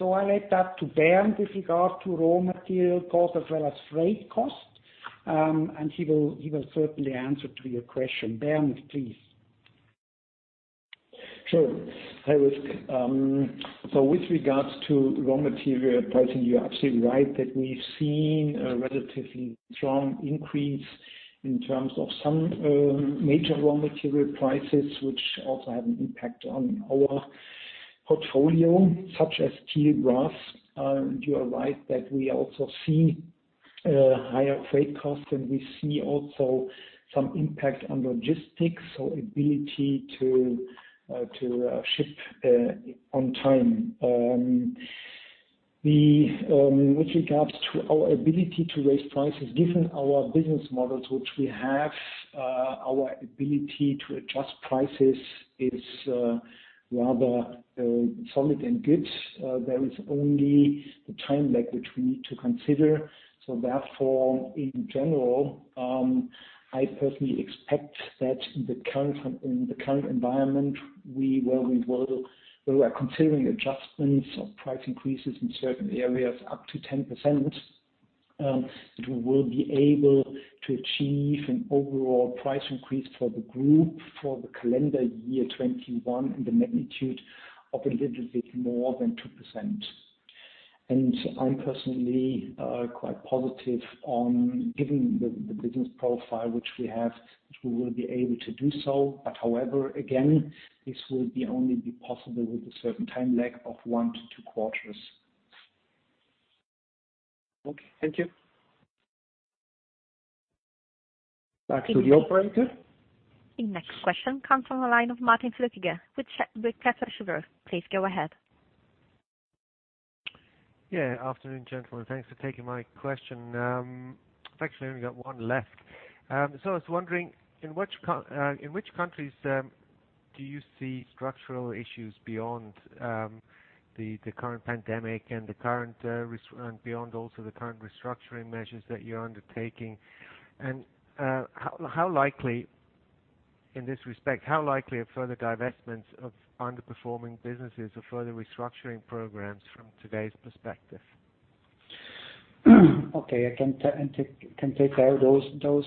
[SPEAKER 2] I leave that to Bernd with regard to raw material cost as well as freight cost. He will certainly answer to your question. Bernd, please.
[SPEAKER 3] Sure. Hi, Rizk. With regards to raw material pricing, you are absolutely right that we've seen a relatively strong increase in terms of some major raw material prices, which also have an impact on our portfolio, such as steel, brass. You are right that we also see higher freight costs, and we see also some impact on logistics, so ability to ship on time. With regards to our ability to raise prices, given our business models which we have, our ability to adjust prices is rather solid and good. There is only the time lag which we need to consider. Therefore, in general, I personally expect that in the current environment, we are considering adjustments of price increases in certain areas up to 10%, that we will be able to achieve an overall price increase for the group for the calendar year 2021 in the magnitude of a little bit more than 2%. And I am personally quite positive on giving the business profile which we have, which we will be able to do so. However, again, this will only be possible with a certain time lag of one to two quarters.
[SPEAKER 4] Okay. Thank you.
[SPEAKER 2] Back to the operator.
[SPEAKER 1] The next question comes from the line of Martin Flötiger with Credit Suisse. Please go ahead.
[SPEAKER 5] Yeah. Afternoon, gentlemen. Thanks for taking my question. I've actually only got one left. I was wondering, in which countries do you see structural issues beyond the current pandemic and beyond also the current restructuring measures that you're undertaking? In this respect, how likely are further divestments of underperforming businesses or further restructuring programs from today's perspective?
[SPEAKER 2] Okay, I can take care of those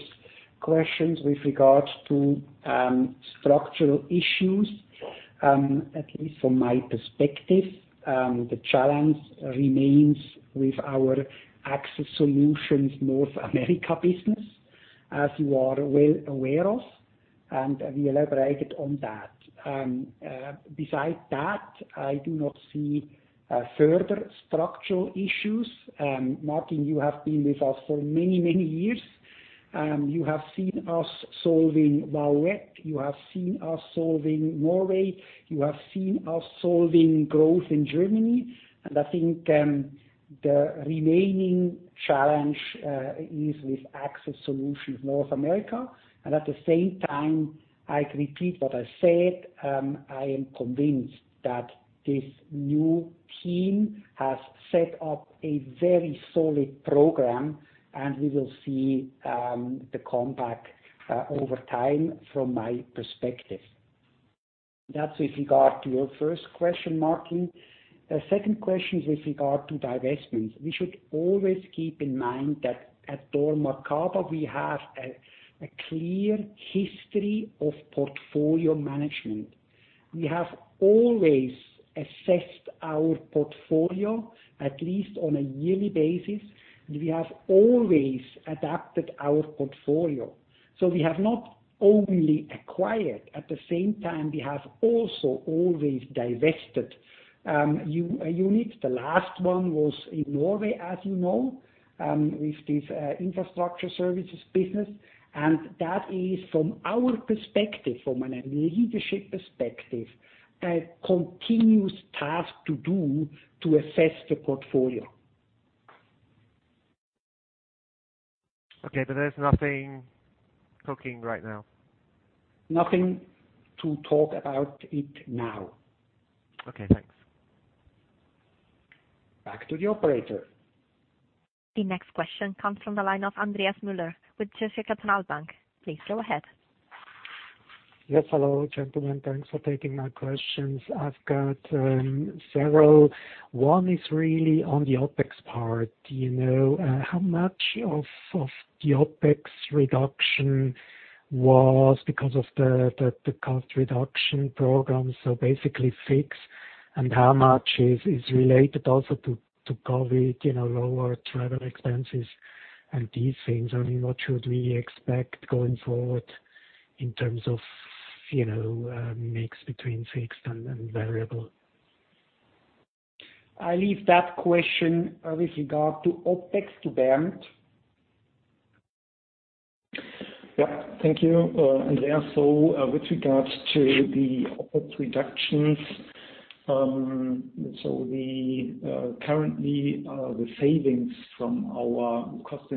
[SPEAKER 2] questions. With regards to structural issues, at least from my perspective, the challenge remains with our Access Solutions North America business, as you are well aware of, and we elaborated on that. Besides that, I do not see further structural issues. Martin, you have been with us for many years. You have seen us solving Wah Yuet. You have seen us solving Norway. You have seen us solving growth in Germany. I think the remaining challenge is with Access Solutions North America. At the same time, I repeat what I said, I am convinced that this new team has set up a very solid program, and we will see the comeback over time from my perspective. That's with regard to your first question, Martin. The second question is with regard to divestments. We should always keep in mind that at dormakaba, we have a clear history of portfolio management. We have always assessed our portfolio, at least on a yearly basis, and we have always adapted our portfolio. We have not only acquired, at the same time, we have also always divested units. The last one was in Norway, as you know, with this infrastructure services business. That is from our perspective, from a leadership perspective, a continuous task to do to assess the portfolio.
[SPEAKER 5] Okay, there's nothing cooking right now?
[SPEAKER 2] Nothing to talk about it now.
[SPEAKER 5] Okay, thanks.
[SPEAKER 2] Back to the operator.
[SPEAKER 1] The next question comes from the line of Andreas Müller with Zürcher Kantonalbank. Please go ahead.
[SPEAKER 6] Yes. Hello, gentlemen. Thanks for taking my questions. I've got several. One is really on the OpEx part. Do you know how much of the OpEx reduction was because of the cost reduction program, so basically fixed, and how much is related also to COVID-19, lower travel expenses and these things? I mean, what should we expect going forward in terms of mix between fixed and variable?
[SPEAKER 2] I leave that question with regard to OpEx to Bernd.
[SPEAKER 3] Yeah. Thank you, Andreas. With regards to the OpEx reductions, currently, the savings from our cost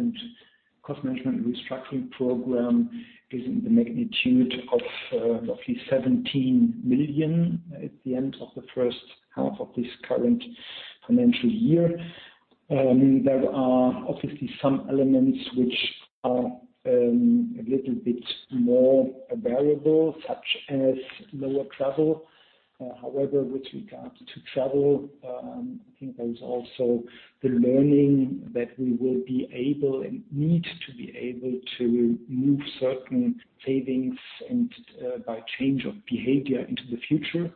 [SPEAKER 3] management restructuring program is in the magnitude of roughly 17 million at the end of the first half of this current financial year. There are obviously some elements which are a little bit more variable, such as lower travel. However, with regards to travel, I think there is also the learning that we will be able and need to be able to move certain savings and by change of behavior into the future.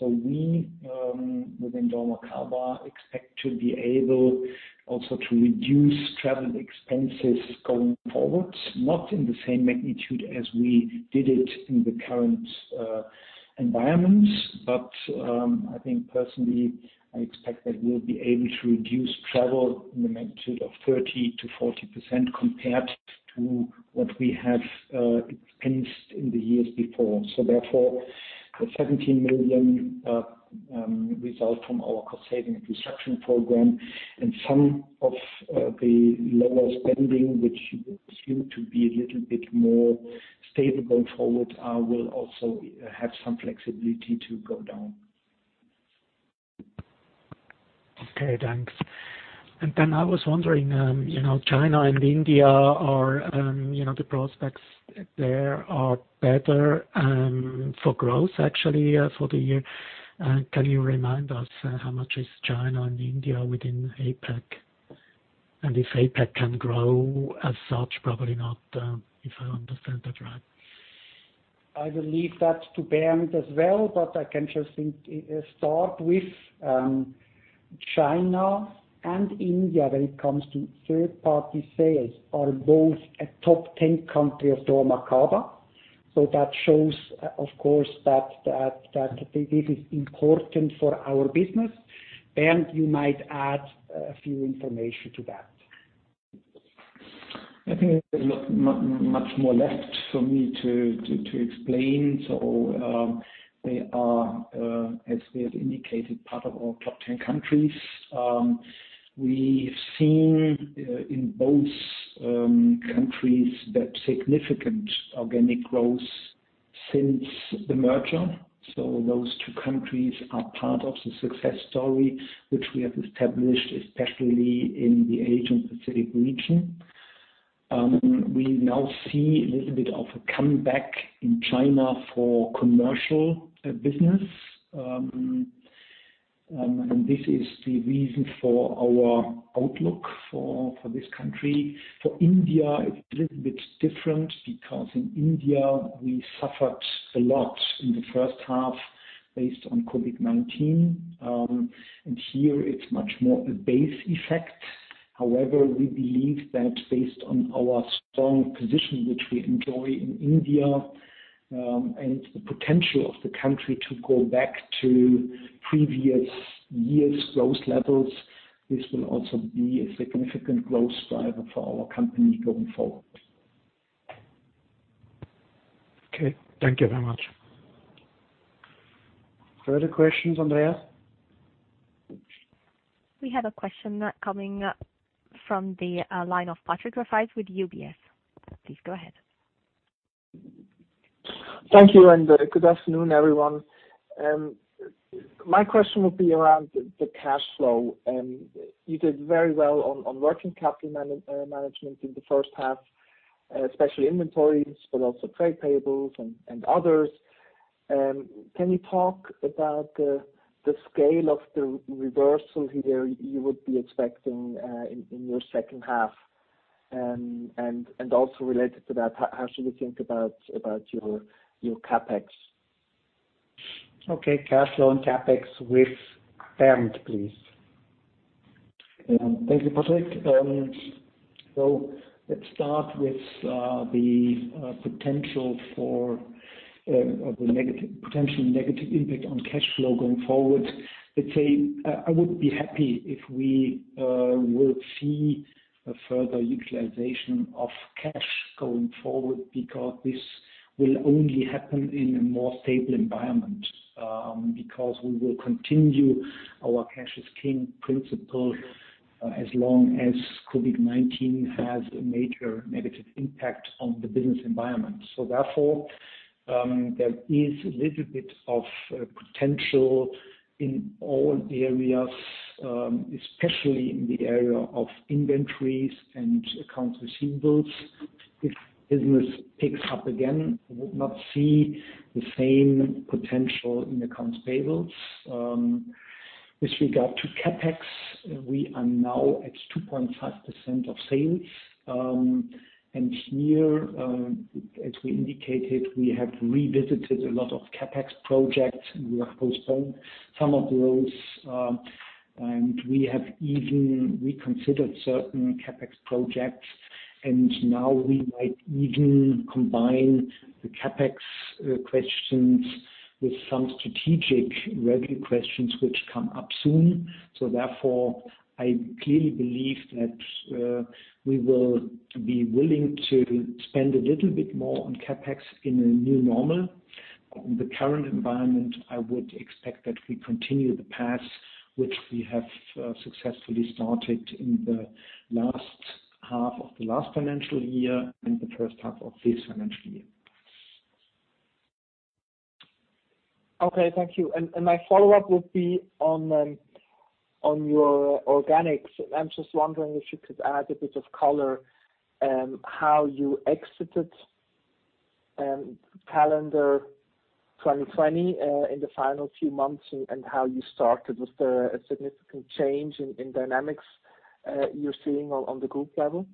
[SPEAKER 3] We, within dormakaba, expect to be able also to reduce travel expenses going forward, not in the same magnitude as we did it in the current environments. I think personally, I expect that we'll be able to reduce travel in the magnitude of 30%-40% compared to what we have expensed in the years before. Therefore, the 17 million result from our cost-saving restructuring program and some of the lower spending, which is deemed to be a little bit more stable going forward, will also have some flexibility to go down.
[SPEAKER 6] Okay, thanks. Bernd, I was wondering, China and India, the prospects there are better for growth actually for the year. Can you remind us how much is China and India within APAC? If APAC can grow as such, probably not, if I understand that right.
[SPEAKER 2] I will leave that to Bernd as well. I can just start with China and India, when it comes to third-party sales, are both a top 10 country of dormakaba. That shows, of course, that this is important for our business. Bernd, you might add a few information to that.
[SPEAKER 3] I think there's not much more left for me to explain. They are, as we have indicated, part of our top 10 countries. We've seen in both countries that significant organic growth since the merger. Those two countries are part of the success story which we have established, especially in the Asia-Pacific region. We now see a little bit of a comeback in China for commercial business. This is the reason for our outlook for this country. For India, it's a little bit different because in India, we suffered a lot in the first half based on COVID-19. Here it's much more a base effect. However, we believe that based on our strong position which we enjoy in India, and the potential of the country to go back to previous years' growth levels, this will also be a significant growth driver for our company going forward.
[SPEAKER 6] Okay. Thank you very much.
[SPEAKER 2] Further questions, Andreas?
[SPEAKER 1] We have a question coming from the line of Patrick Rafaisz with UBS. Please go ahead.
[SPEAKER 7] Thank you, good afternoon, everyone. My question would be around the cash flow. You did very well on working capital management in the first half, especially inventories, but also trade payables and others. Can you talk about the scale of the reversal here you would be expecting in your second half? Also related to that, how should we think about your CapEx?
[SPEAKER 2] Okay. Cash flow and CapEx with Bernd, please.
[SPEAKER 3] Thank you, Patrick. Let's start with the potential negative impact on cash flow going forward. Let's say, I would be happy if we will see a further utilization of cash going forward, because this will only happen in a more stable environment, because we will continue our Cash is King principle as long as COVID-19 has a major negative impact on the business environment. Therefore, there is a little bit of potential in all areas, especially in the area of inventories and accounts receivables. If business picks up again, I would not see the same potential in accounts payables. With regard to CapEx, we are now at 2.5% of sales. Here, as we indicated, we have revisited a lot of CapEx projects. We have postponed some of those, and we have even reconsidered certain CapEx projects, and now we might even combine the CapEx questions with some strategic revenue questions which come up soon. Therefore, I clearly believe that we will be willing to spend a little bit more on CapEx in a new normal. In the current environment, I would expect that we continue the path which we have successfully started in the last half of the last financial year and the first half of this financial year.
[SPEAKER 7] Okay, thank you. My follow-up would be on your organics. I am just wondering if you could add a bit of color how you exited calendar 2020 in the final few months, and how you started. Was there a significant change in dynamics you are seeing on the group level?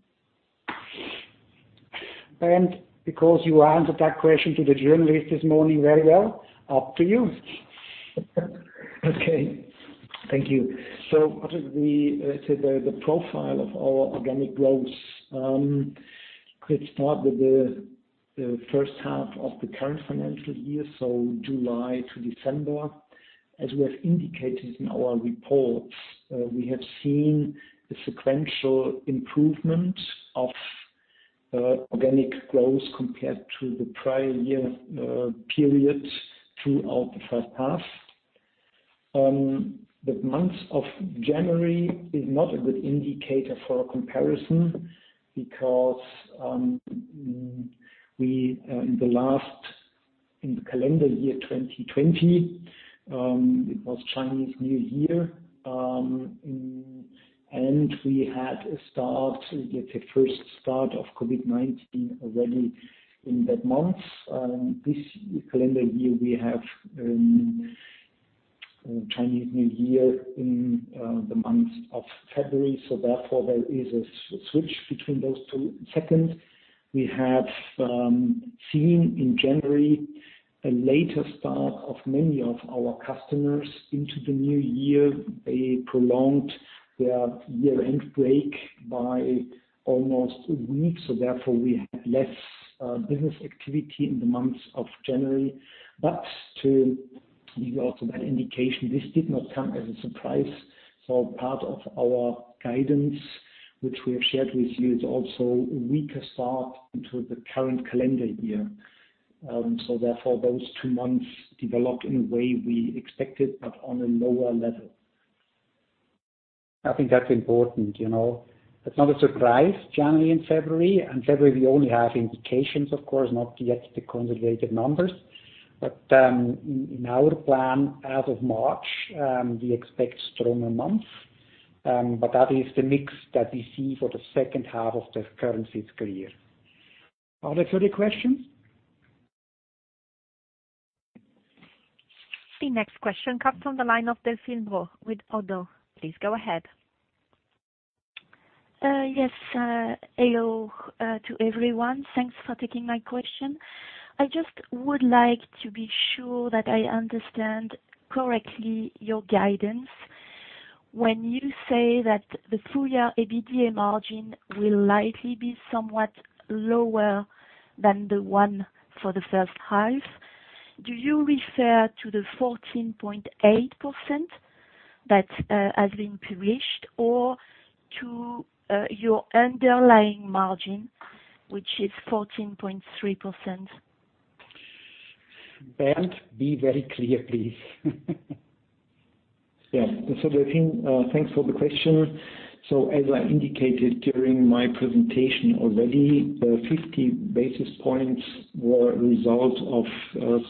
[SPEAKER 2] Bernd, because you answered that question to the journalist this morning very well, up to you.
[SPEAKER 3] Okay. Thank you. What is the profile of our organic growth? Could start with the first half of the current financial year, so July to December. As we have indicated in our reports, we have seen a sequential improvement of organic growth compared to the prior year period throughout the first half. The month of January is not a good indicator for a comparison because in the calendar year 2020, it was Chinese New Year, and we had the first start of COVID-19 already in that month. This calendar year, we have Chinese New Year in the month of February. Therefore, there is a switch between those two. Second, we have seen in January a later start of many of our customers into the new year. They prolonged their year-end break by almost one week. Therefore, we had less business activity in the month of January. To give you also that indication, this did not come as a surprise. Part of our guidance, which we have shared with you, is also a weaker start into the current calendar year. Therefore, those two months developed in a way we expected, but on a lower level.
[SPEAKER 2] I think that's important. It's not a surprise, January and February. February, we only have indications, of course, not yet the consolidated numbers. In our plan as of March, we expect stronger months. That is the mix that we see for the second half of the current fiscal year. Are there further questions?
[SPEAKER 1] The next question comes from the line of Delphine Brault with Oddo. Please go ahead.
[SPEAKER 8] Yes. Hello to everyone. Thanks for taking my question. I just would like to be sure that I understand correctly your guidance. When you say that the full year EBITDA margin will likely be somewhat lower than the one for the first half, do you refer to the 14.8% that has been published, or to your underlying margin, which is 14.3%?
[SPEAKER 2] Bernd, be very clear, please.
[SPEAKER 3] Delphine, thanks for the question. As I indicated during my presentation already, the 50 basis points were a result of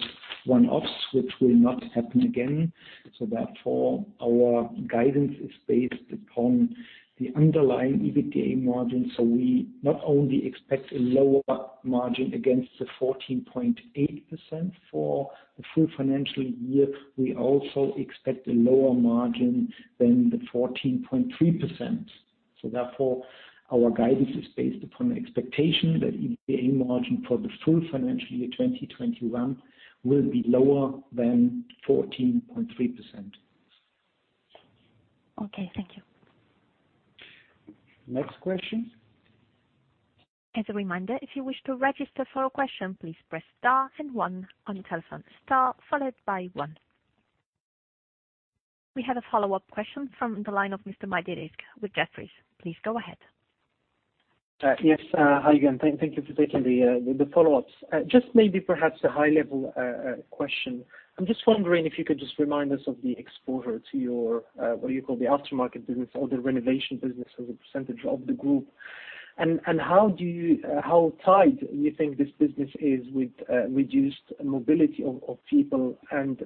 [SPEAKER 3] one-offs, which will not happen again. Therefore, our guidance is based upon the underlying EBITDA margin. We not only expect a lower margin against the 14.8% for the full financial year, we also expect a lower margin than the 14.3%. Therefore, our guidance is based upon the expectation that the EBITDA margin for the full financial year 2021 will be lower than 14.3%.
[SPEAKER 8] Okay, thank you.
[SPEAKER 2] Next question.
[SPEAKER 1] As a reminder, if you wish to register for a question, please press star and one on your telephone. Star followed by one. We have a follow-up question from the line of Mr. Rizk Maidi with Jefferies. Please go ahead.
[SPEAKER 4] Yes. Hi again. Thank you for taking the follow-ups. Just maybe perhaps a high-level question. I'm just wondering if you could just remind us of the exposure to your, what you call the aftermarket business or the renovation business as a percentage of the group? How tied you think this business is with reduced mobility of people?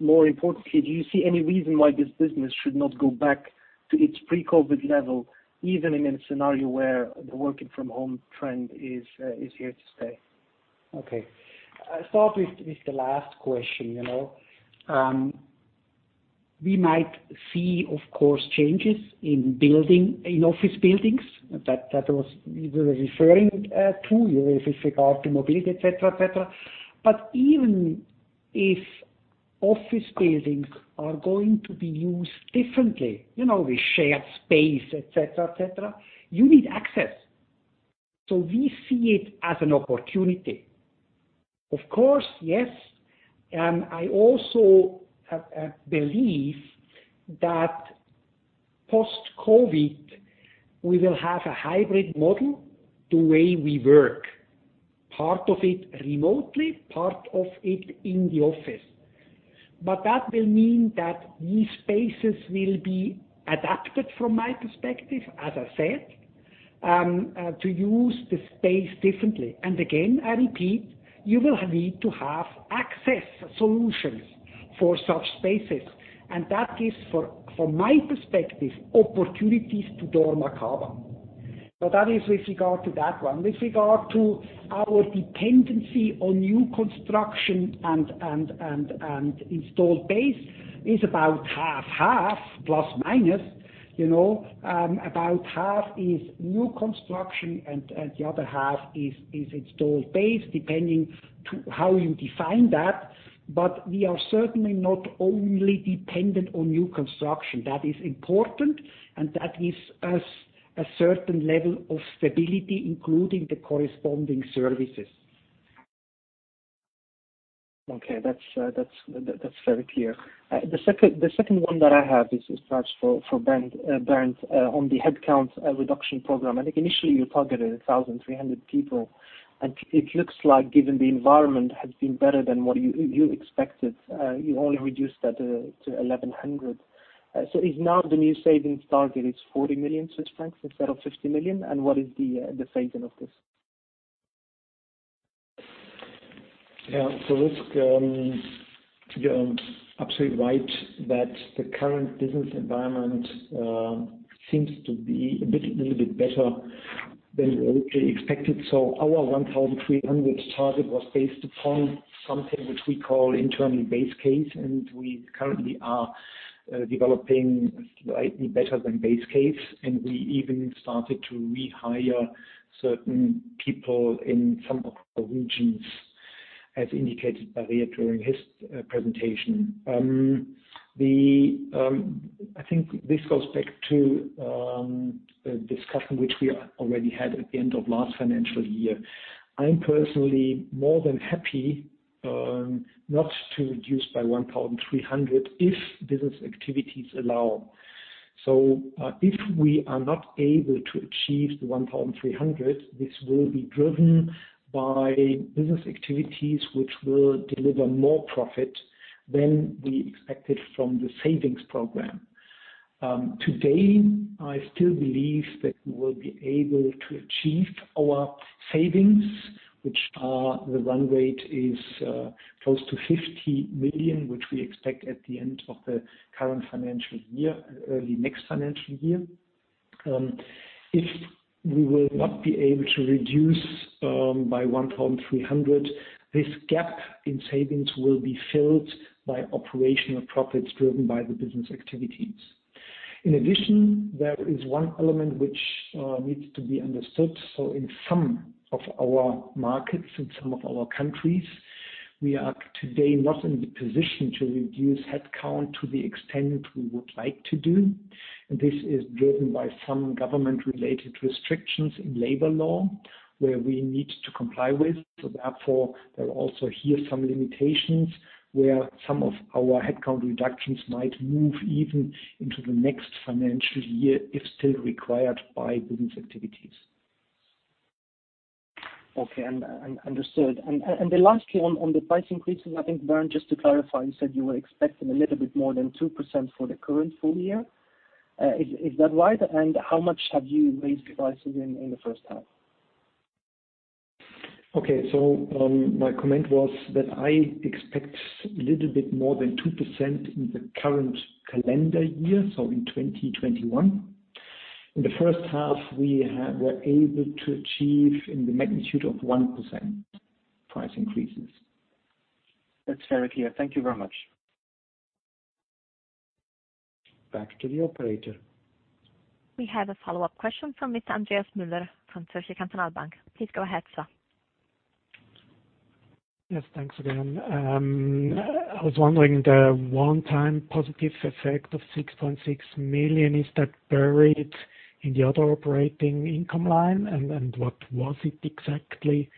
[SPEAKER 4] More importantly, do you see any reason why this business should not go back to its pre-COVID level, even in a scenario where the working from home trend is here to stay?
[SPEAKER 2] Okay. I start with the last question. We might see, of course, changes in office buildings. That was referring to, with regard to mobility, et cetera. Even if office buildings are going to be used differently, with shared space, et cetera. You need access. We see it as an opportunity. Of course, yes, I also believe that post-COVID, we will have a hybrid model, the way we work, part of it remotely, part of it in the office. That will mean that these spaces will be adapted from my perspective, as I said, to use the space differently. Again, I repeat, you will need to have access solutions for such spaces. That is, from my perspective, opportunities to dormakaba. That is with regard to that one. With regard to our dependency on new construction and installed base is about half-half, plus, minus. About half is new construction and the other half is installed base, depending on how you define that. We are certainly not only dependent on new construction. That is important, and that gives us a certain level of stability, including the corresponding services.
[SPEAKER 4] Okay. That's very clear. The second one that I have is perhaps for Bernd, on the headcount reduction program. I think initially you targeted 1,300 people, and it looks like given the environment has been better than what you expected, you only reduced that to 1,100. Is now the new savings target 40 million Swiss francs instead of 50 million? What is the phasing of this?
[SPEAKER 3] Rizk, you're absolutely right that the current business environment seems to be a little bit better than we originally expected. Our 1,300 target was based upon something which we call internal base case, and we currently are developing slightly better than base case. We even started to rehire certain people in some of the regions, as indicated by Riet during his presentation. I think this goes back to a discussion which we already had at the end of last financial year. I am personally more than happy not to reduce by 1,300 if business activities allow. If we are not able to achieve the 1,300, this will be driven by business activities which will deliver more profit than we expected from the savings program. Today, I still believe that we will be able to achieve our savings, which are the run rate is close to 50 million, which we expect at the end of the current financial year, early next financial year. If we will not be able to reduce by 1,300, this gap in savings will be filled by operational profits driven by the business activities. In addition, there is one element which needs to be understood. In some of our markets, in some of our countries, we are today not in the position to reduce headcount to the extent we would like to do. This is driven by some government-related restrictions in labor law, where we need to comply with. Therefore, there are also here some limitations where some of our headcount reductions might move even into the next financial year, if still required by business activities.
[SPEAKER 4] Okay. Understood. Lastly, on the price increases, I think Bernd, just to clarify, you said you were expecting a little bit more than 2% for the current full year. Is that right? How much have you raised prices in the first half?
[SPEAKER 3] Okay. My comment was that I expect a little bit more than 2% in the current calendar year, so in 2021. In the first half, we were able to achieve in the magnitude of 1% price increases.
[SPEAKER 4] That's very clear. Thank you very much.
[SPEAKER 2] Back to the operator.
[SPEAKER 1] We have a follow-up question from Mr. Andreas Müller from Zürcher Kantonalbank. Please go ahead, sir.
[SPEAKER 6] Yes, thanks again. I was wondering the one-time positive effect of 6.6 million, is that buried in the other operating income line? What was it exactly?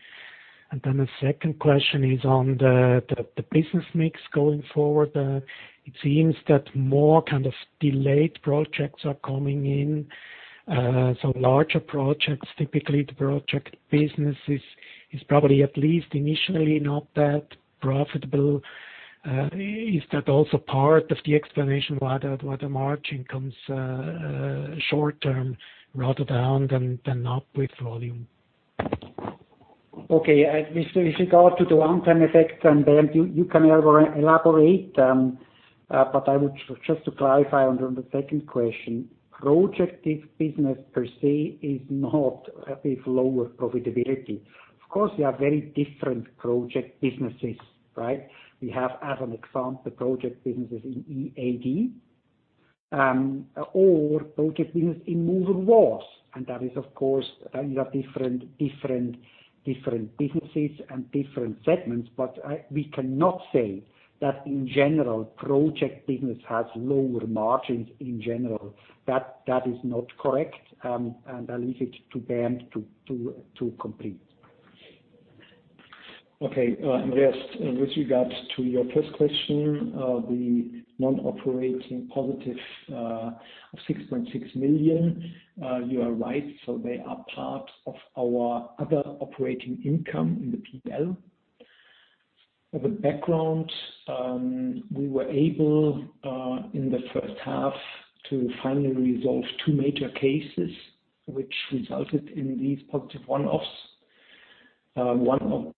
[SPEAKER 6] The second question is on the business mix going forward. It seems that more kind of delayed projects are coming in. Larger projects, typically the project business is probably at least initially not that profitable. Is that also part of the explanation why the margin comes short-term rather down than up with volume?
[SPEAKER 2] Okay. With regard to the one-time effect, Bernd, you can elaborate, but I would just to clarify on the second question, project business per se is not a bit lower profitability. Of course, there are very different project businesses, right? We have, as an example, project businesses in EAD, or project business in Movable Walls, and that is, of course, different businesses and different segments, but we cannot say that in general, project business has lower margins in general. That is not correct, and I leave it to Bernd to complete.
[SPEAKER 3] Okay, Andreas, with regards to your first question, the non-operating positive of 6.6 million, you are right. They are part of our other operating income in the P&L. The background, we were able, in the first half, to finally resolve two major cases, which resulted in these positive one-offs. One of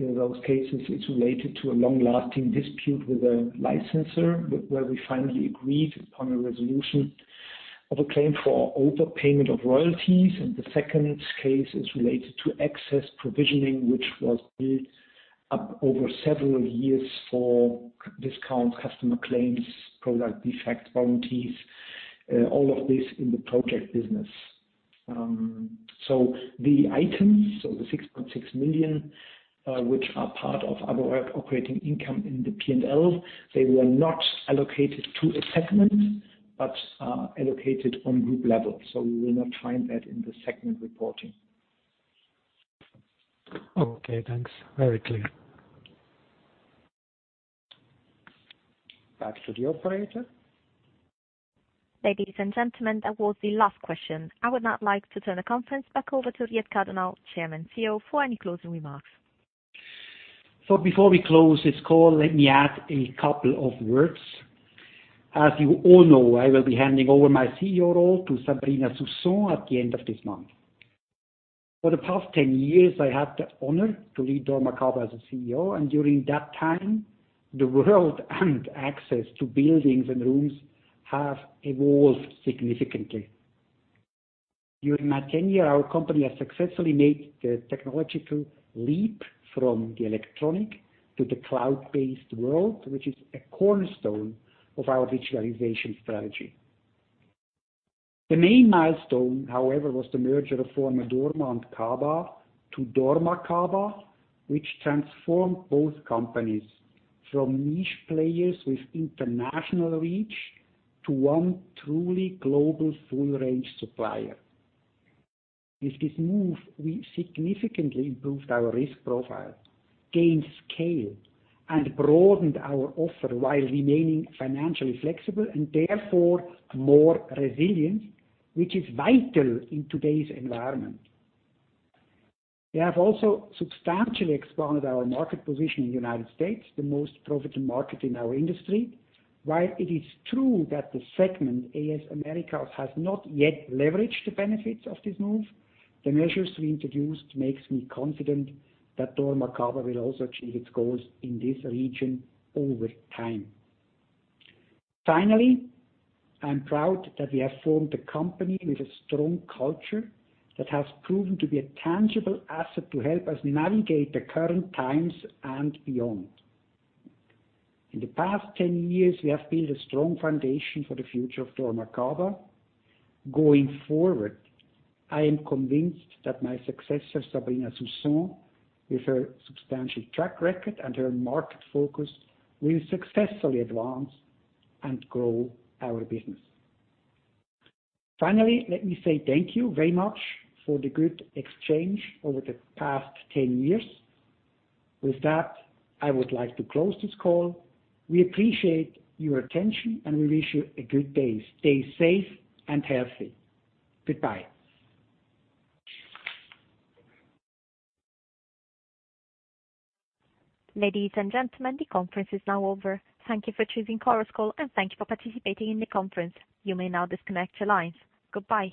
[SPEAKER 3] those cases is related to a long-lasting dispute with a licensor, where we finally agreed upon a resolution of a claim for overpayment of royalties, and the second case is related to excess provisioning, which was built up over several years for discount customer claims, product defect warranties, all of this in the project business. The items, the 6.6 million, which are part of other operating income in the P&L, they were not allocated to a segment but are allocated on group level. We will not find that in the segment reporting.
[SPEAKER 6] Okay, thanks. Very clear.
[SPEAKER 2] Back to the operator.
[SPEAKER 1] Ladies and gentlemen, that was the last question. I would now like to turn the conference back over to Riet Cadonau, Chairman, CEO, for any closing remarks.
[SPEAKER 2] Before we close this call, let me add a couple of words. As you all know, I will be handing over my CEO role to Sabrina Soussan at the end of this month. For the past 10 years, I had the honor to lead dormakaba as a CEO, and during that time, the world and access to buildings and rooms have evolved significantly. During my tenure, our company has successfully made the technological leap from the electronic to the cloud-based world, which is a cornerstone of our digitalization strategy. The main milestone, however, was the merger of former Dorma and Kaba to dormakaba, which transformed both companies from niche players with international reach to one truly global full-range supplier. With this move, we significantly improved our risk profile, gained scale, and broadened our offer while remaining financially flexible and therefore more resilient, which is vital in today's environment. We have also substantially expanded our market position in the United States, the most profitable market in our industry. While it is true that the segment AS Americas has not yet leveraged the benefits of this move, the measures we introduced makes me confident that dormakaba will also achieve its goals in this region over time. Finally, I am proud that we have formed a company with a strong culture that has proven to be a tangible asset to help us navigate the current times and beyond. In the past 10 years, we have built a strong foundation for the future of dormakaba. Going forward, I am convinced that my successor, Sabrina Soussan, with her substantial track record and her market focus, will successfully advance and grow our business. Finally, let me say thank you very much for the good exchange over the past 10 years. With that, I would like to close this call. We appreciate your attention. We wish you a good day. Stay safe and healthy. Goodbye.
[SPEAKER 1] Ladies and gentlemen, the conference is now over. Thank you for choosing Chorus Call, and thank you for participating in the conference. You may now disconnect your lines. Goodbye.